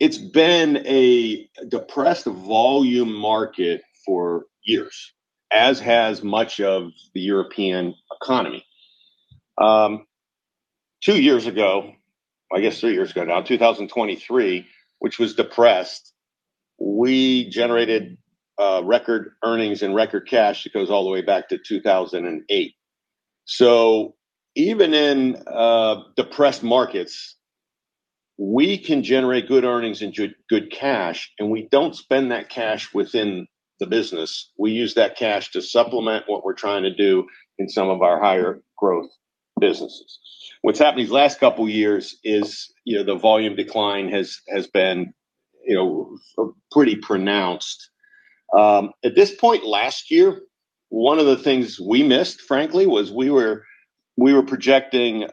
It's been a depressed volume market for years, as has much of the European economy. Two years ago, I guess three years ago now, in 2023, which was depressed, we generated record earnings and record cash that goes all the way back to 2008. So even in depressed markets, we can generate good earnings and good cash, and we don't spend that cash within the business. We use that cash to supplement what we're trying to do in some of our higher growth businesses. What's happened these last couple of years is, you know, the volume decline has, has been, you know, pretty pronounced. At this point last year, one of the things we missed, frankly, was we were, we were projecting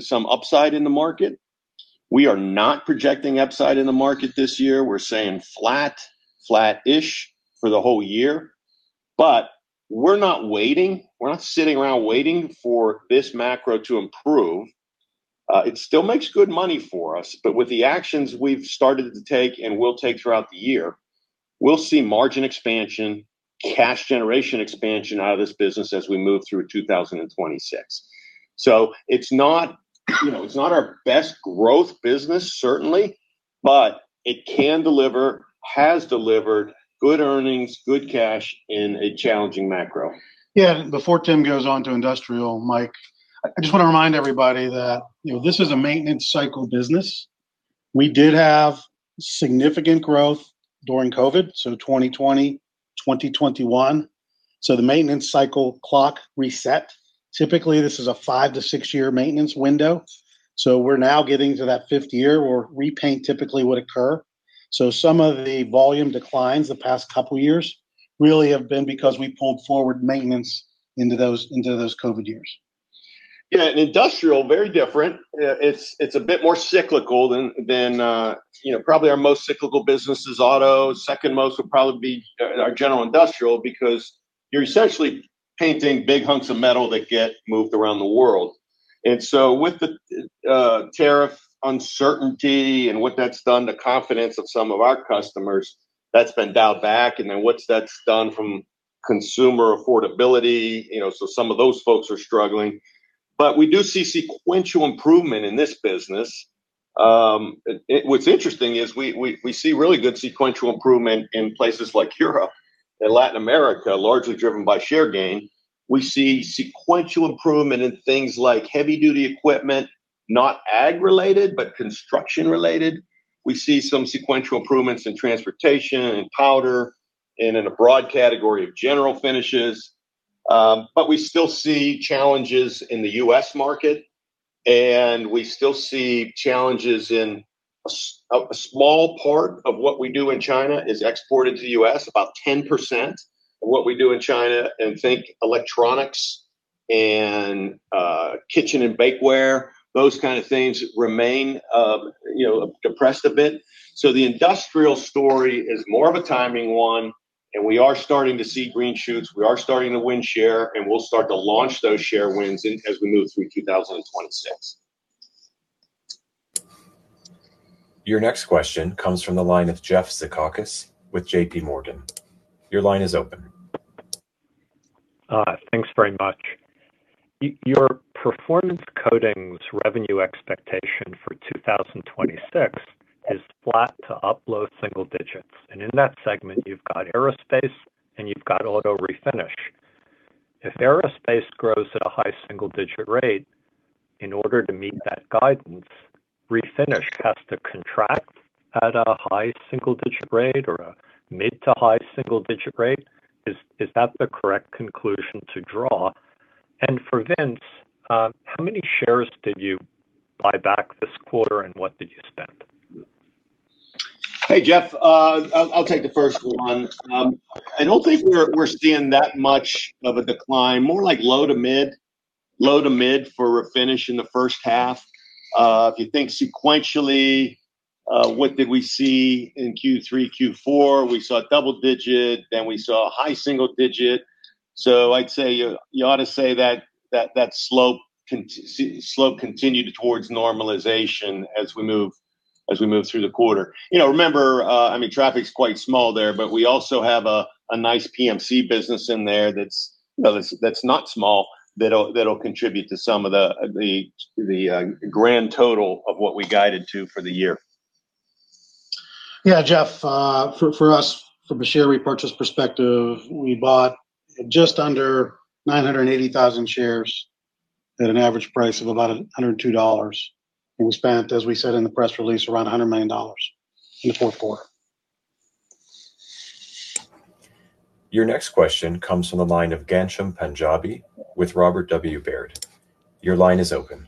some upside in the market. We are not projecting upside in the market this year. We're saying flat, flat-ish for the whole year. But we're not waiting. We're not sitting around waiting for this macro to improve. It still makes good money for us, but with the actions we've started to take and will take throughout the year, we'll see margin expansion, cash generation expansion out of this business as we move through 2026. So it's not, you know, it's not our best growth business, certainly, but it can deliver, has delivered good earnings, good cash in a challenging macro. Yeah, before Tim goes on to industrial, Mike, I just wanna remind everybody that, you know, this is a maintenance cycle business. We did have significant growth during COVID, so 2020, 2021, so the maintenance cycle clock reset. Typically, this is a 5- to 6-year maintenance window, so we're now getting to that fifth year, where repaint typically would occur. So some of the volume declines the past couple of years really have been because we pulled forward maintenance into those, into those COVID years. Yeah, in industrial, very different. It's a bit more cyclical than you know. Probably our most cyclical business is auto. Second most would probably be our general industrial, because you're essentially painting big hunks of metal that get moved around the world. And so with the tariff uncertainty and what that's done, the confidence of some of our customers, that's been dialed back, and then what that's done, consumer affordability, you know, so some of those folks are struggling. But we do see sequential improvement in this business. What's interesting is we see really good sequential improvement in places like Europe and Latin America, largely driven by share gain. We see sequential improvement in things like heavy-duty equipment, not ag-related, but construction-related. We see some sequential improvements in transportation and powder and in a broad category of general finishes. But we still see challenges in the U.S. market, and we still see challenges in a small part of what we do in China is exported to the U.S., about 10% of what we do in China, and think electronics and, kitchen and bakeware, those kind of things remain, you know, depressed a bit. So the industrial story is more of a timing one, and we are starting to see green shoots, we are starting to win share, and we'll start to launch those share wins in-- as we move through 2026. Your next question comes from the line of Jeff Zekauskas with JPMorgan. Your line is open. Thanks very much. Your Performance Coatings revenue expectation for 2026 is flat to up low single digits, and in that segment, you've got Aerospace and you've got Auto Refinish. If Aerospace grows at a high single-digit rate, in order to meet that guidance, Refinish has to contract at a high single-digit rate or a mid- to high-single-digit rate? Is that the correct conclusion to draw? And for Vince, how many shares did you buy back this quarter, and what did you spend? Hey, Jeff, I'll take the first one. I don't think we're seeing that much of a decline, more like low to mid, low to mid for Refinish in the first half. If you think sequentially, what did we see in Q3, Q4? We saw double digit, then we saw a high single digit. So I'd say you ought to say that slope continued towards normalization as we move through the quarter. You know, remember, I mean, Traffic's quite small there, but we also have a nice PMC business in there that's, well, that's not small, that'll contribute to some of the grand total of what we guided to for the year. Yeah, Jeff, for us, from a share repurchase perspective, we bought just under 980,000 shares at an average price of about $102. And we spent, as we said in the press release, around $100 million in the fourth quarter. Your next question comes from the line of Ghansham Panjabi with Robert W. Baird. Your line is open.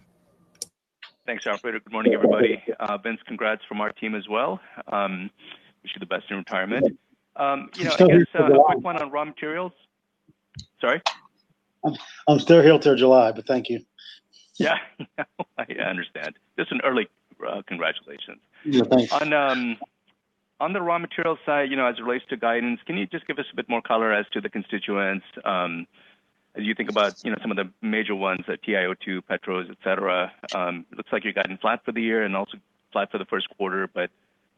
Thanks, operator. Good morning, everybody. Good morning. Vince, congrats from our team as well. Wish you the best in retirement. You know, I guess- Still here until July.... a quick one on raw materials. Sorry? I'm still here till July, but thank you. Yeah, I understand. Just an early congratulations. Yeah, thanks. On the raw material side, you know, as it relates to guidance, can you just give us a bit more color as to the constituents, as you think about, you know, some of the major ones, the TiO2, petros, et cetera. Looks like you've gotten flat for the year and also flat for the first quarter, but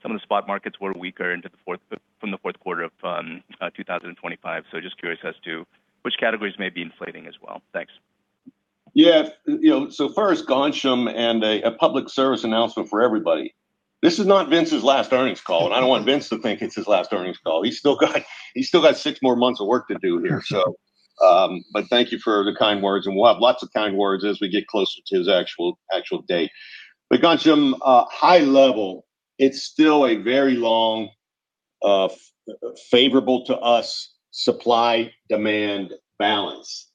some of the spot markets were weaker into the fourth quarter of 2025. So just curious as to which categories may be inflating as well. Thanks. Yeah. You know, so first, Ghansham, and a public service announcement for everybody. This is not Vince's last earnings call, and I don't want Vince to think it's his last earnings call. He's still got, he's still got six more months of work to do here. So, but thank you for the kind words, and we'll have lots of kind words as we get closer to his actual, actual date. But Ghansham, high level, it's still a very long, favorable to us, supply-demand balance.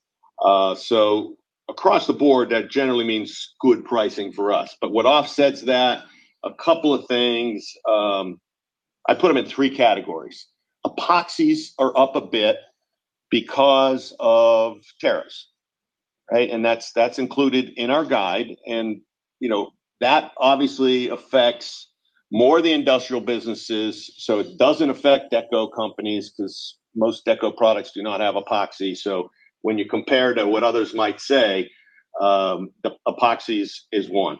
So across the board, that generally means good pricing for us. But what offsets that, a couple of things. I put them in three categories. Epoxies are up a bit because of tariffs, right? And that's included in our guide, and you know that obviously affects more the industrial businesses, so it doesn't affect deco companies, 'cause most deco products do not have epoxy. So when you compare to what others might say, the epoxy is one.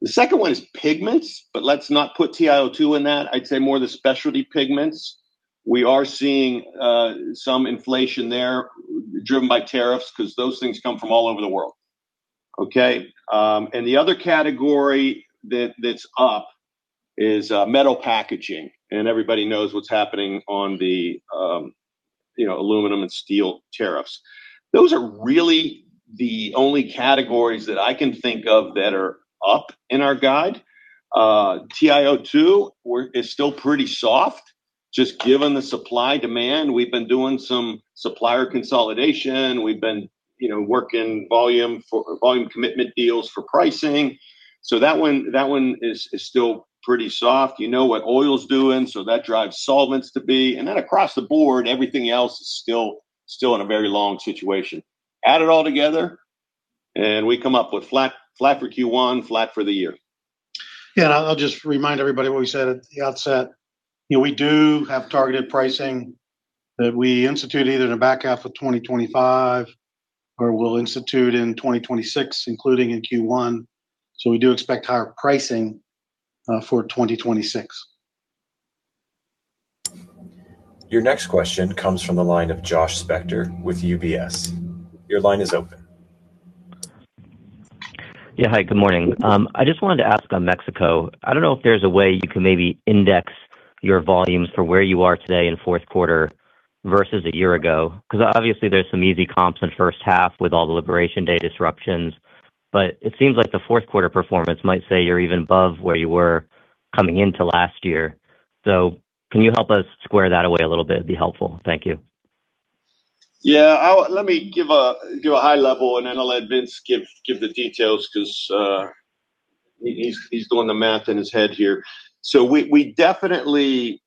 The second one is pigments, but let's not put TiO2 in that. I'd say more the specialty pigments. We are seeing some inflation there, driven by tariffs, 'cause those things come from all over the world, okay? And the other category that's up is metal packaging, and everybody knows what's happening on the, you know, aluminum and steel tariffs. Those are really the only categories that I can think of that are up in our guide. TiO2 is still pretty soft, just given the supply-demand. We've been doing some supplier consolidation. We've been, you know, working volume commitment deals for pricing. So that one, that one is still pretty soft. You know what oil's doing, so that drives solvents to be. And then across the board, everything else is still in a very long situation. Add it all together, and we come up with flat, flat for Q1, flat for the year. Yeah, and I'll just remind everybody what we said at the outset. You know, we do have targeted pricing that we institute either in the back half of 2025 or we'll institute in 2026, including in Q1. So we do expect higher pricing for 2026. Your next question comes from the line of Josh Spector with UBS. Your line is open. Yeah. Hi, good morning. I just wanted to ask on Mexico, I don't know if there's a way you can maybe index your volumes for where you are today in fourth quarter versus a year ago, 'cause obviously there's some easy comps in first half with all the Liberation Day disruptions. But it seems like the fourth quarter performance might say you're even above where you were coming into last year. So can you help us square that away a little bit? It'd be helpful. Thank you. Yeah, I'll let me give a high level, and then I'll let Vince give the details 'cause he's doing the math in his head here. So we definitely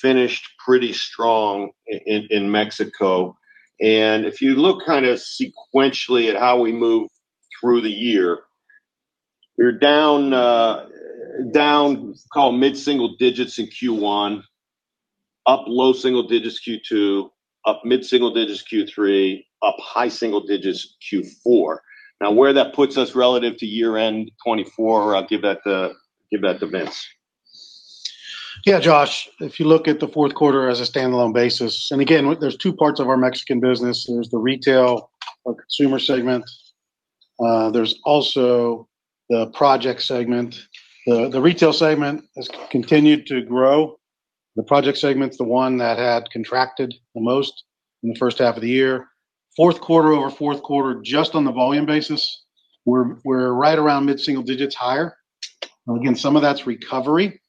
finished pretty strong in Mexico, and if you look kind of sequentially at how we moved through the year, we're down call mid-single digits in Q1, up low single digits Q2, up mid-single digits Q3, up high single digits Q4. Now, where that puts us relative to year-end 2024, I'll give that to Vince. Yeah, Josh, if you look at the fourth quarter as a standalone basis, and again, there's two parts of our Mexican business. There's the retail or consumer segment. There's also the project segment. The retail segment has continued to grow. The project segment's the one that had contracted the most in the first half of the year. Fourth quarter over fourth quarter, just on the volume basis, we're right around mid-single digits higher. Again, some of that's recovery.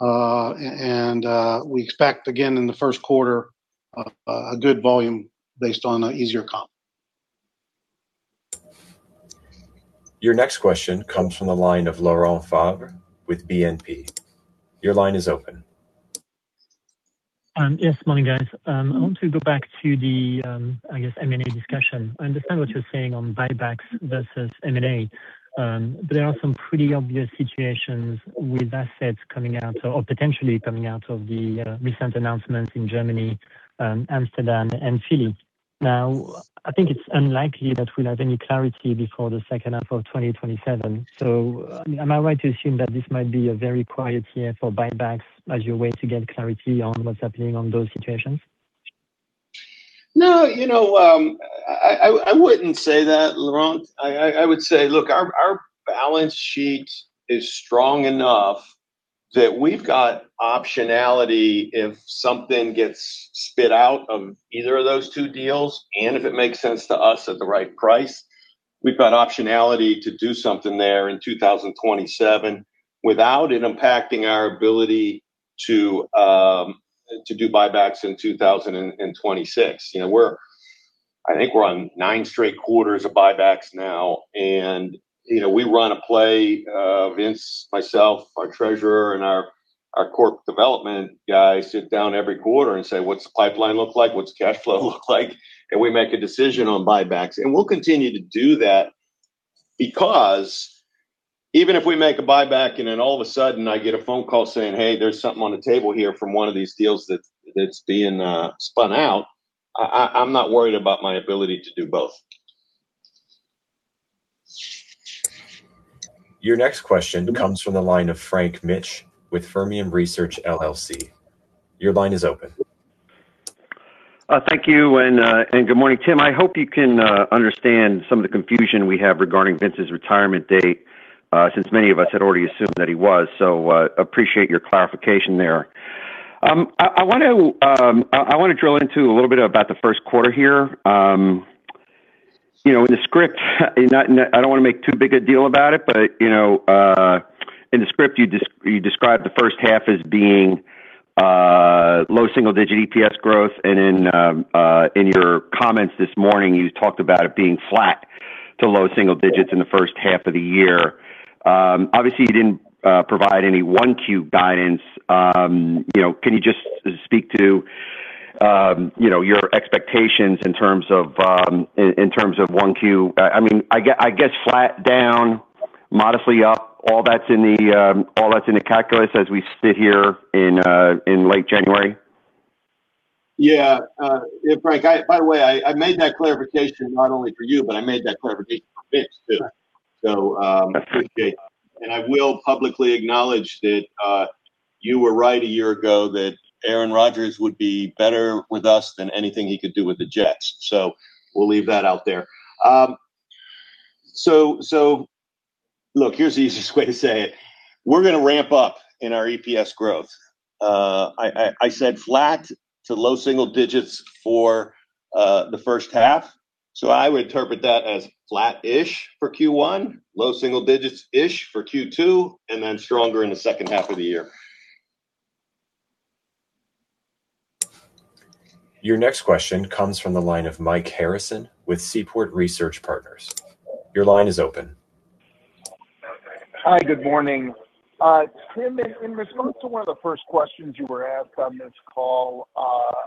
And we expect again in the first quarter a good volume based on an easier comp. Your next question comes from the line of Laurent Favre with BNP. Your line is open. Yes, morning, guys. I want to go back to the, I guess, M&A discussion. I understand what you're saying on buybacks versus M&A, but there are some pretty obvious situations with assets coming out or potentially coming out of the, recent announcements in Germany, Amsterdam and Philadelphia. Now, I think it's unlikely that we'll have any clarity before the second half of 2027. So am I right to assume that this might be a very quiet year for buybacks as you wait to get clarity on what's happening on those situations? No, you know, I wouldn't say that, Laurent. I would say, look, our balance sheet is strong enough that we've got optionality if something gets spit out of either of those two deals, and if it makes sense to us at the right price, we've got optionality to do something there in 2027 without it impacting our ability to do buybacks in 2026. You know, we're. I think we're on 9 straight quarters of buybacks now, and, you know, we run a play, Vince, myself, our treasurer, and our corp development guys sit down every quarter and say: "What's the pipeline look like? What's the cash flow look like?" And we make a decision on buybacks. We'll continue to do that because even if we make a buyback, and then all of a sudden I get a phone call saying, "Hey, there's something on the table here from one of these deals that's being spun out," I'm not worried about my ability to do both. Your next question comes from the line of Frank Mitsch with Fermium Research LLC. Your line is open. Thank you, and good morning, Tim. I hope you can understand some of the confusion we have regarding Vince's retirement date, since many of us had already assumed that he was. So, appreciate your clarification there. I want to drill into a little bit about the first quarter here. You know, in the script, I don't want to make too big a deal about it, but, you know, in the script, you described the first half as being low single digit EPS growth, and in your comments this morning, you talked about it being flat to low single digits in the first half of the year. Obviously, you didn't provide any one Q guidance. You know, can you just speak to, you know, your expectations in terms of, in terms of one Q? I mean, I guess, flat down, modestly up, all that's in the, all that's in the calculus as we sit here in late January? Yeah, yeah, Frank, by the way, I, I made that clarification not only for you, but I made that clarification for Vince, too. Sure. So, appreciate it. And I will publicly acknowledge that, you were right a year ago that Aaron Rodgers would be better with us than anything he could do with the Jets. So we'll leave that out there. So look, here's the easiest way to say it: We're gonna ramp up in our EPS growth. I said flat to low single digits for, the first half. So I would interpret that as flat-ish for Q1, low single digits-ish for Q2, and then stronger in the second half of the year. Your next question comes from the line of Mike Harrison with Seaport Research Partners. Your line is open. Hi, good morning. Tim, in response to one of the first questions you were asked on this call,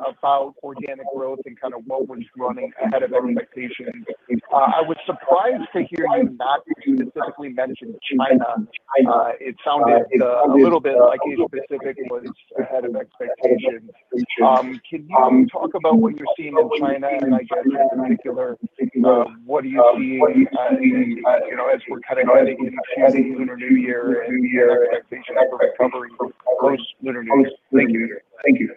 about organic growth and kind of what was running ahead of expectations, I was surprised to hear you not specifically mention China. It sounded a little bit like Asia Pacific was ahead of expectations. Can you talk about what you're seeing in China, and I guess, in particular, what are you seeing, you know, as we're kind of heading into the Lunar New Year and expectation of a recovery post Lunar New Year? Thank you. Thank you....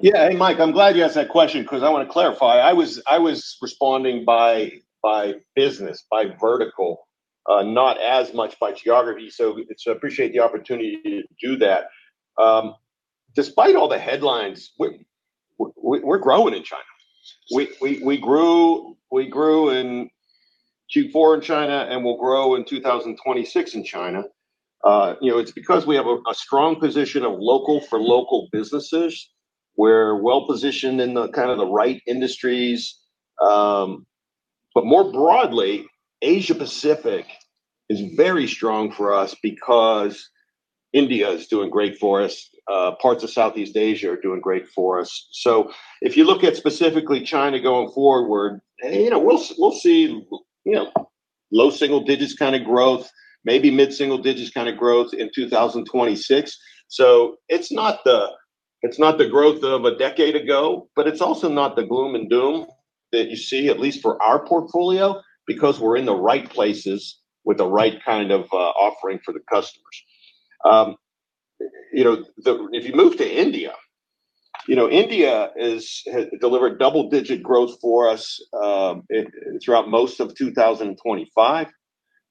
Yeah. Hey, Mike, I'm glad you asked that question, 'cause I wanna clarify. I was responding by business, by vertical, not as much by geography, so it's. I appreciate the opportunity to do that. Despite all the headlines, we're growing in China. We grew in Q4 in China and will grow in 2026 in China. You know, it's because we have a strong position of local for local businesses. We're well-positioned in the right industries. But more broadly, Asia Pacific is very strong for us because India is doing great for us, parts of Southeast Asia are doing great for us. So if you look at specifically China going forward, you know, we'll see, you know, low single digits kind of growth, maybe mid-single digits kind of growth in 2026. So it's not the growth of a decade ago, but it's also not the gloom and doom that you see, at least for our portfolio, because we're in the right places with the right kind of offering for the customers. You know, if you move to India, you know, India has delivered double-digit growth for us throughout most of 2025.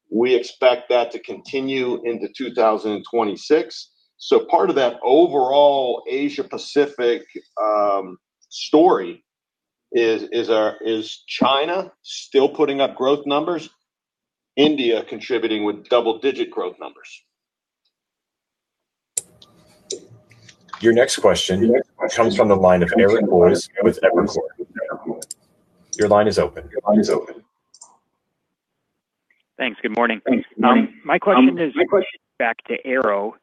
We expect that to continue into 2026. So part of that overall Asia Pacific story is China still putting up growth numbers, India contributing with double-digit growth numbers. Your next question comes from the line of Eric Boyes with Evercore. Your line is open. Thanks. Good morning. Thanks. My question is back to Aero.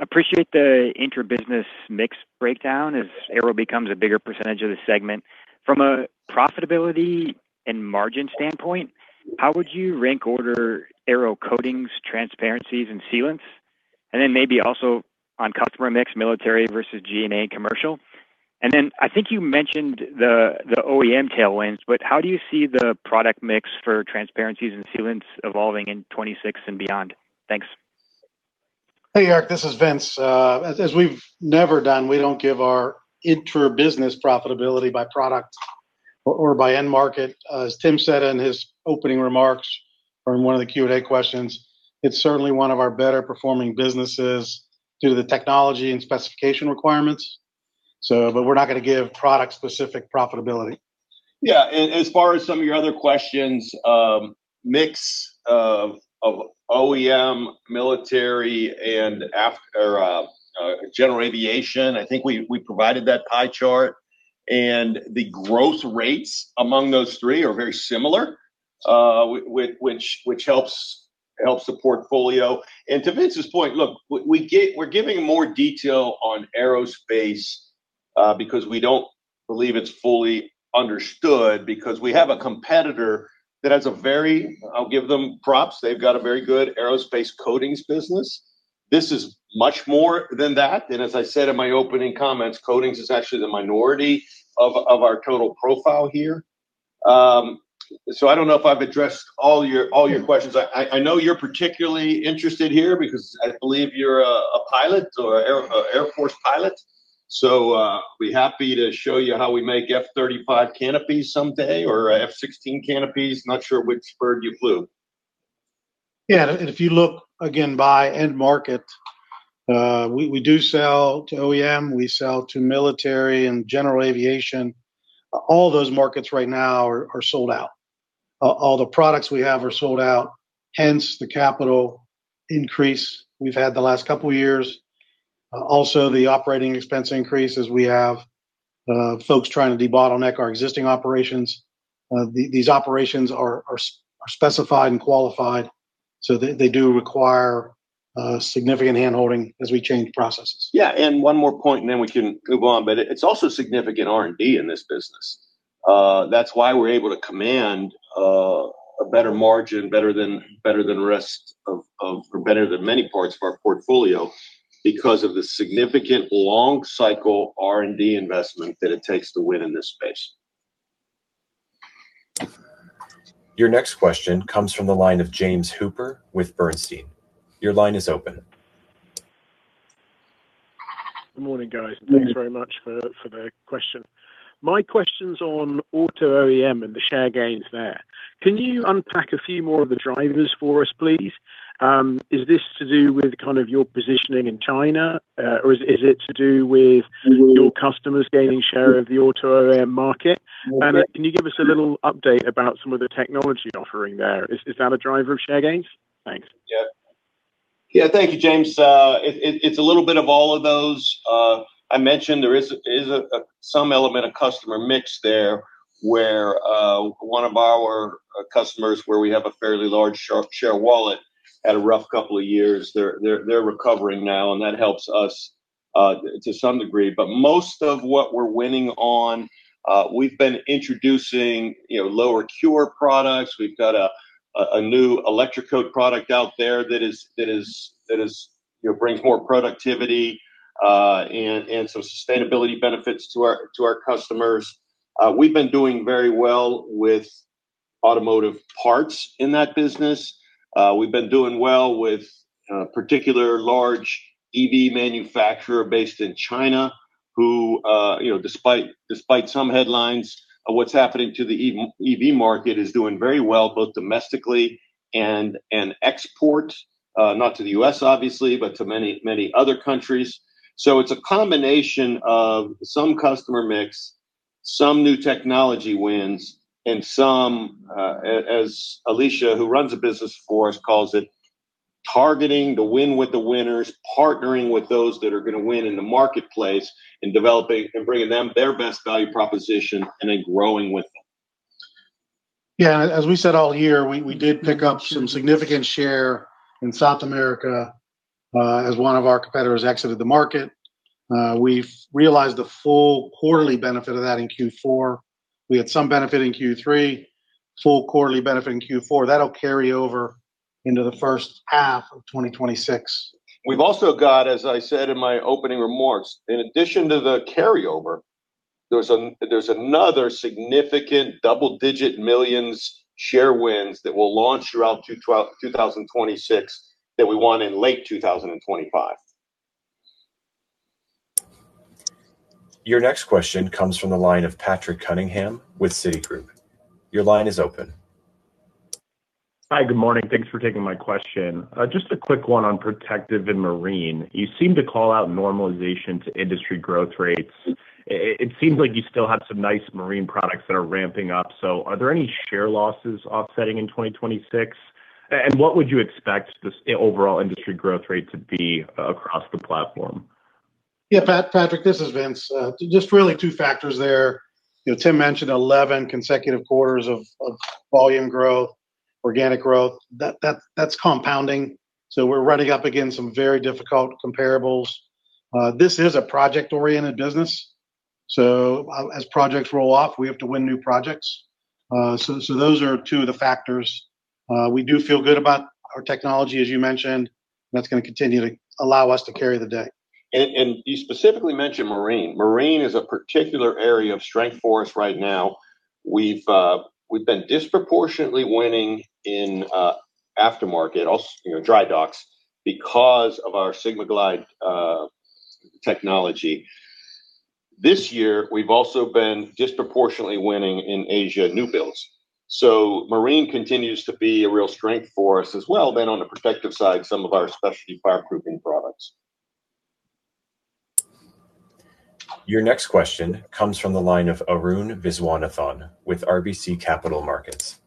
Appreciate the inter-business mix breakdown as Aero becomes a bigger percentage of the segment. From a profitability and margin standpoint, how would you rank order Aero coatings, transparencies, and sealants? And then maybe also on customer mix, military versus GA commercial. And then I think you mentioned the OEM tailwinds, but how do you see the product mix for transparencies and sealants evolving in 2026 and beyond? Thanks. Hey, Eric, this is Vince. As we've never done, we don't give our in our business profitability by product or by end market. As Tim said in his opening remarks from one of the Q&A questions, it's certainly one of our better performing businesses due to the technology and specification requirements. So but we're not gonna give product-specific profitability. Yeah. And as far as some of your other questions, mix of OEM, military, and aftermarket or general aviation, I think we provided that pie chart, and the growth rates among those three are very similar, which helps the portfolio. And to Vince's point, look, we're giving more detail on Aerospace because we don't believe it's fully understood, because we have a competitor that has a very... I'll give them props. They've got a very good Aerospace coatings business. This is much more than that, and as I said in my opening comments, coatings is actually the minority of our total profile here. So I don't know if I've addressed all your questions. I know you're particularly interested here because I believe you're a pilot or Air Force pilot. So, be happy to show you how we make F-35 canopies someday, or F-16 canopies. Not sure which bird you flew. Yeah, and if you look again by end market, we do sell to OEM, we sell to military and general aviation. All those markets right now are sold out. All the products we have are sold out, hence the capital increase we've had the last couple of years. Also the operating expense increase is we have folks trying to debottleneck our existing operations. These operations are specified and qualified, so they do require significant handholding as we change processes. Yeah, and one more point, and then we can move on, but it, it's also significant R&D in this business. That's why we're able to command a better margin, better than, better than the rest of, of, or better than many parts of our portfolio, because of the significant long cycle R&D investment that it takes to win in this space. Your next question comes from the line of James Hooper with Bernstein. Your line is open. Good morning, guys. Good morning. Thanks very much for the question. My question's on auto OEM and the share gains there. Can you unpack a few more of the drivers for us, please? Is this to do with kind of your positioning in China, or is it to do with- Mm... your customers gaining share of the auto OEM market? Mm. Can you give us a little update about some of the technology offering there? Is that a driver of share gains? Thanks. Yeah. Yeah, thank you, James. It’s a little bit of all of those. I mentioned there is some element of customer mix there, where one of our customers, where we have a fairly large share of wallet, had a rough couple of years. They’re recovering now, and that helps us to some degree. But most of what we’re winning on, we’ve been introducing, you know, lower cure products. We’ve got a new electrocoat product out there that is, you know, brings more productivity, and some sustainability benefits to our customers. We’ve been doing very well with automotive parts in that business. We've been doing well with particular large EV manufacturer based in China, who, you know, despite, despite some headlines, what's happening to the EV, EV market is doing very well, both domestically and in export, not to the U.S. obviously, but to many, many other countries. So it's a combination of some customer mix, some new technology wins, and some, as, as Alisha, who runs the business for us, calls it, targeting the win with the winners, partnering with those that are gonna win in the marketplace, and developing and bringing them their best value proposition, and then growing with them. Yeah, as we said all year, we did pick up some significant share in South America, as one of our competitors exited the market. We've realized the full quarterly benefit of that in Q4. We had some benefit in Q3, full quarterly benefit in Q4. That'll carry over into the first half of 2026. We've also got, as I said in my opening remarks, in addition to the carryover, there's another significant double-digit millions share wins that will launch throughout 2026 that we won in late 2025. Your next question comes from the line of Patrick Cunningham with Citigroup. Your line is open. Hi, good morning. Thanks for taking my question. Just a quick one on Protective and Marine. You seem to call out normalization to industry growth rates. It seems like you still have some nice marine products that are ramping up, so are there any share losses offsetting in 2026? And what would you expect this overall industry growth rate to be across the platform? Yeah, Patrick, this is Vince. Just really two factors there. You know, Tim mentioned eleven consecutive quarters of volume growth, organic growth, that's compounding, so we're running up against some very difficult comparables. This is a project-oriented business, so as projects roll off, we have to win new projects. So those are two of the factors. We do feel good about our technology, as you mentioned, and that's gonna continue to allow us to carry the day. You specifically mentioned marine. Marine is a particular area of strength for us right now. We've, we've been disproportionately winning in, aftermarket, also, you know, dry docks because of our SIGMAGLIDE technology. This year, we've also been disproportionately winning in Asia new builds. So marine continues to be a real strength for us as well, then on the Protective side, some of our specialty fireproofing products. Your next question comes from the line of Arun Viswanathan with RBC Capital Markets.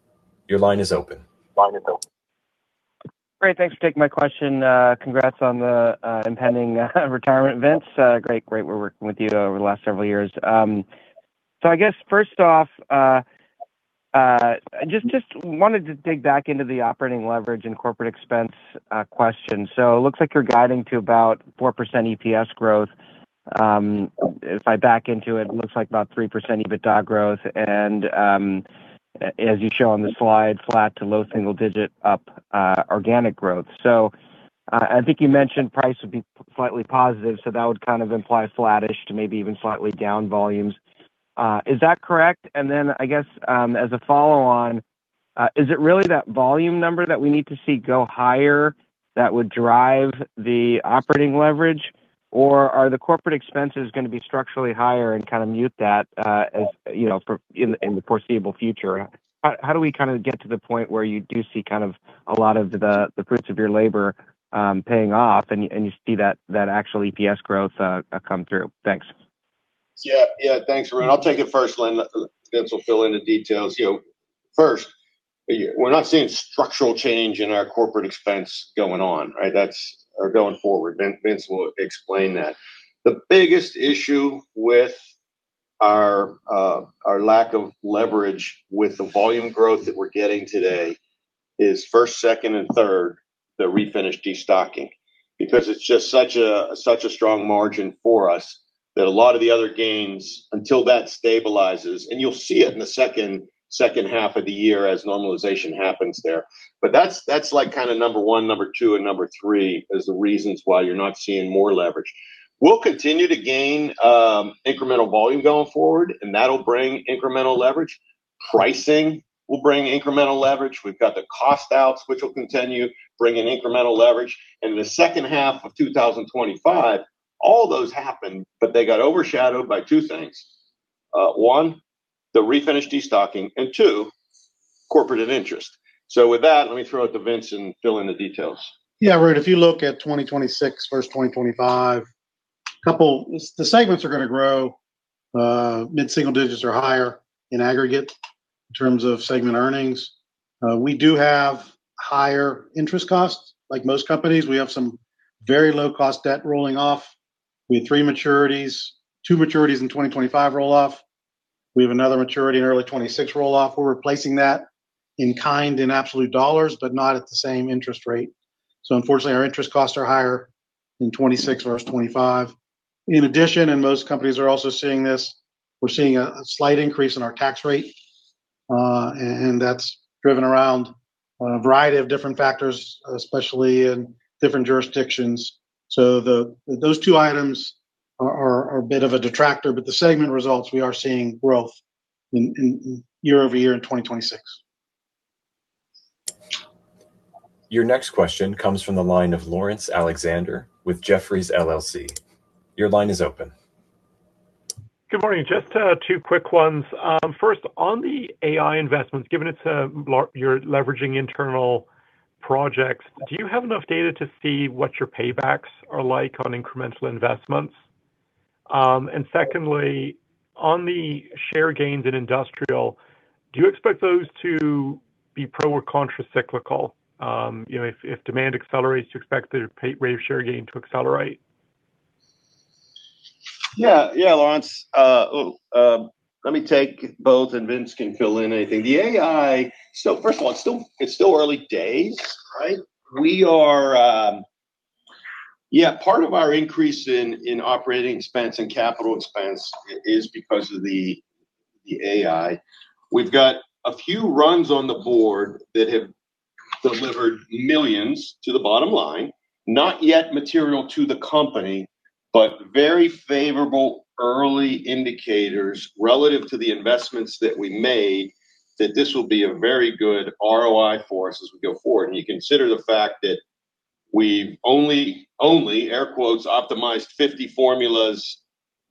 Your line is open. Great. Thanks for taking my question. Congrats on the impending retirement, Vince. Great, great. We're working with you over the last several years. So I guess, first off, just wanted to dig back into the operating leverage and corporate expense question. So it looks like you're guiding to about 4% EPS growth. If I back into it, it looks like about 3% EBITDA growth and, as you show on the slide, flat to low single-digit up organic growth. So, I think you mentioned price would be slightly positive, so that would kind of imply flattish to maybe even slightly down volumes. Is that correct? And then, I guess, as a follow-on, is it really that volume number that we need to see go higher that would drive the operating leverage, or are the corporate expenses gonna be structurally higher and kinda mute that, as you know, for in the foreseeable future? How do we kinda get to the point where you do see kind of a lot of the fruits of your labor paying off, and you see that actual EPS growth come through? Thanks. Yeah, yeah. Thanks, Arun. I'll take it first, and then Vince will fill in the details. You know, first, we're not seeing structural change in our corporate expense going on, right? That's... or going forward. Vince will explain that. The biggest issue with our lack of leverage with the volume growth that we're getting today is first, second, and third, the Refinish destocking. Because it's just such a strong margin for us that a lot of the other gains, until that stabilizes, and you'll see it in the second half of the year as normalization happens there. But that's like kind of number one, number two, and number three, as the reasons why you're not seeing more leverage. We'll continue to gain incremental volume going forward, and that'll bring incremental leverage. Pricing will bring incremental leverage. We've got the cost outs, which will continue, bringing incremental leverage. In the second half of 2025, all those happened, but they got overshadowed by two things. One, the Refinish destocking, and two, corporate overhead. So with that, let me throw it to Vince and fill in the details. Yeah, Arun, if you look at 2026 versus 2025, the segments are gonna grow mid-single digits or higher in aggregate in terms of segment earnings. We do have higher interest costs. Like most companies, we have some very low-cost debt rolling off. We have 3 maturities, 2 maturities in 2025 roll off. We have another maturity in early 2026 roll off. We're replacing that in kind in absolute dollars, but not at the same interest rate. So unfortunately, our interest costs are higher in 2026 versus 2025. In addition, and most companies are also seeing this, we're seeing a slight increase in our tax rate, and that's driven around a variety of different factors, especially in different jurisdictions. So those two items are a bit of a detractor, but the segment results, we are seeing growth in year-over-year in 2026. Your next question comes from the line of Laurence Alexander with Jefferies LLC. Your line is open. Good morning. Just, two quick ones. First, on the AI investments, given you're leveraging internal projects, do you have enough data to see what your paybacks are like on incremental investments? And secondly, on the share gains in industrial, do you expect those to be pro or contracyclical? You know, if demand accelerates, do you expect the rate of share gain to accelerate? Yeah. Yeah, Laurence. Let me take both, and Vince can fill in anything. The AI... So first of all, it's still early days, right? We are part of our increase in operating expense and capital expense is because of the AI. We've got a few runs on the board that have delivered millions to the bottom line, not yet material to the company, but very favorable early indicators relative to the investments that we made, that this will be a very good ROI for us as we go forward. And you consider the fact that we've only optimized 50 formulas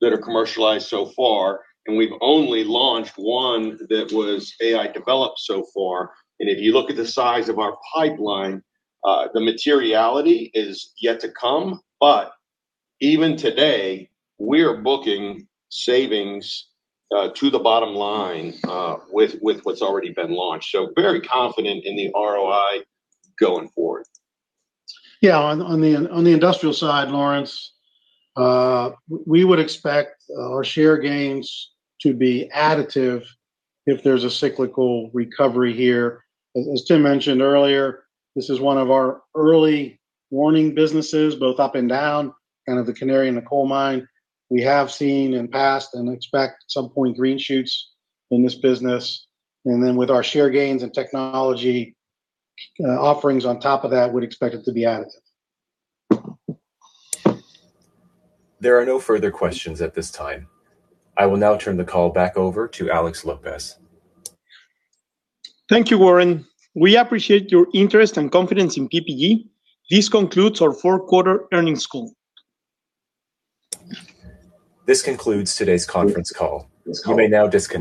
that are commercialized so far, and we've only launched one that was AI-developed so far. If you look at the size of our pipeline, the materiality is yet to come, but even today, we're booking savings to the bottom line with what's already been launched. Very confident in the ROI going forward. Yeah, on the industrial side, Laurence, we would expect our share gains to be additive if there's a cyclical recovery here. As Tim mentioned earlier, this is one of our early warning businesses, both up and down, kind of the canary in the coal mine. We have seen in past and expect at some point, green shoots in this business. And then with our share gains and technology offerings on top of that, we'd expect it to be additive. There are no further questions at this time. I will now turn the call back over to Alex Lopez. Thank you, Warren. We appreciate your interest and confidence in PPG. This concludes our fourth quarter earnings call. This concludes today's conference call. You may now disconnect.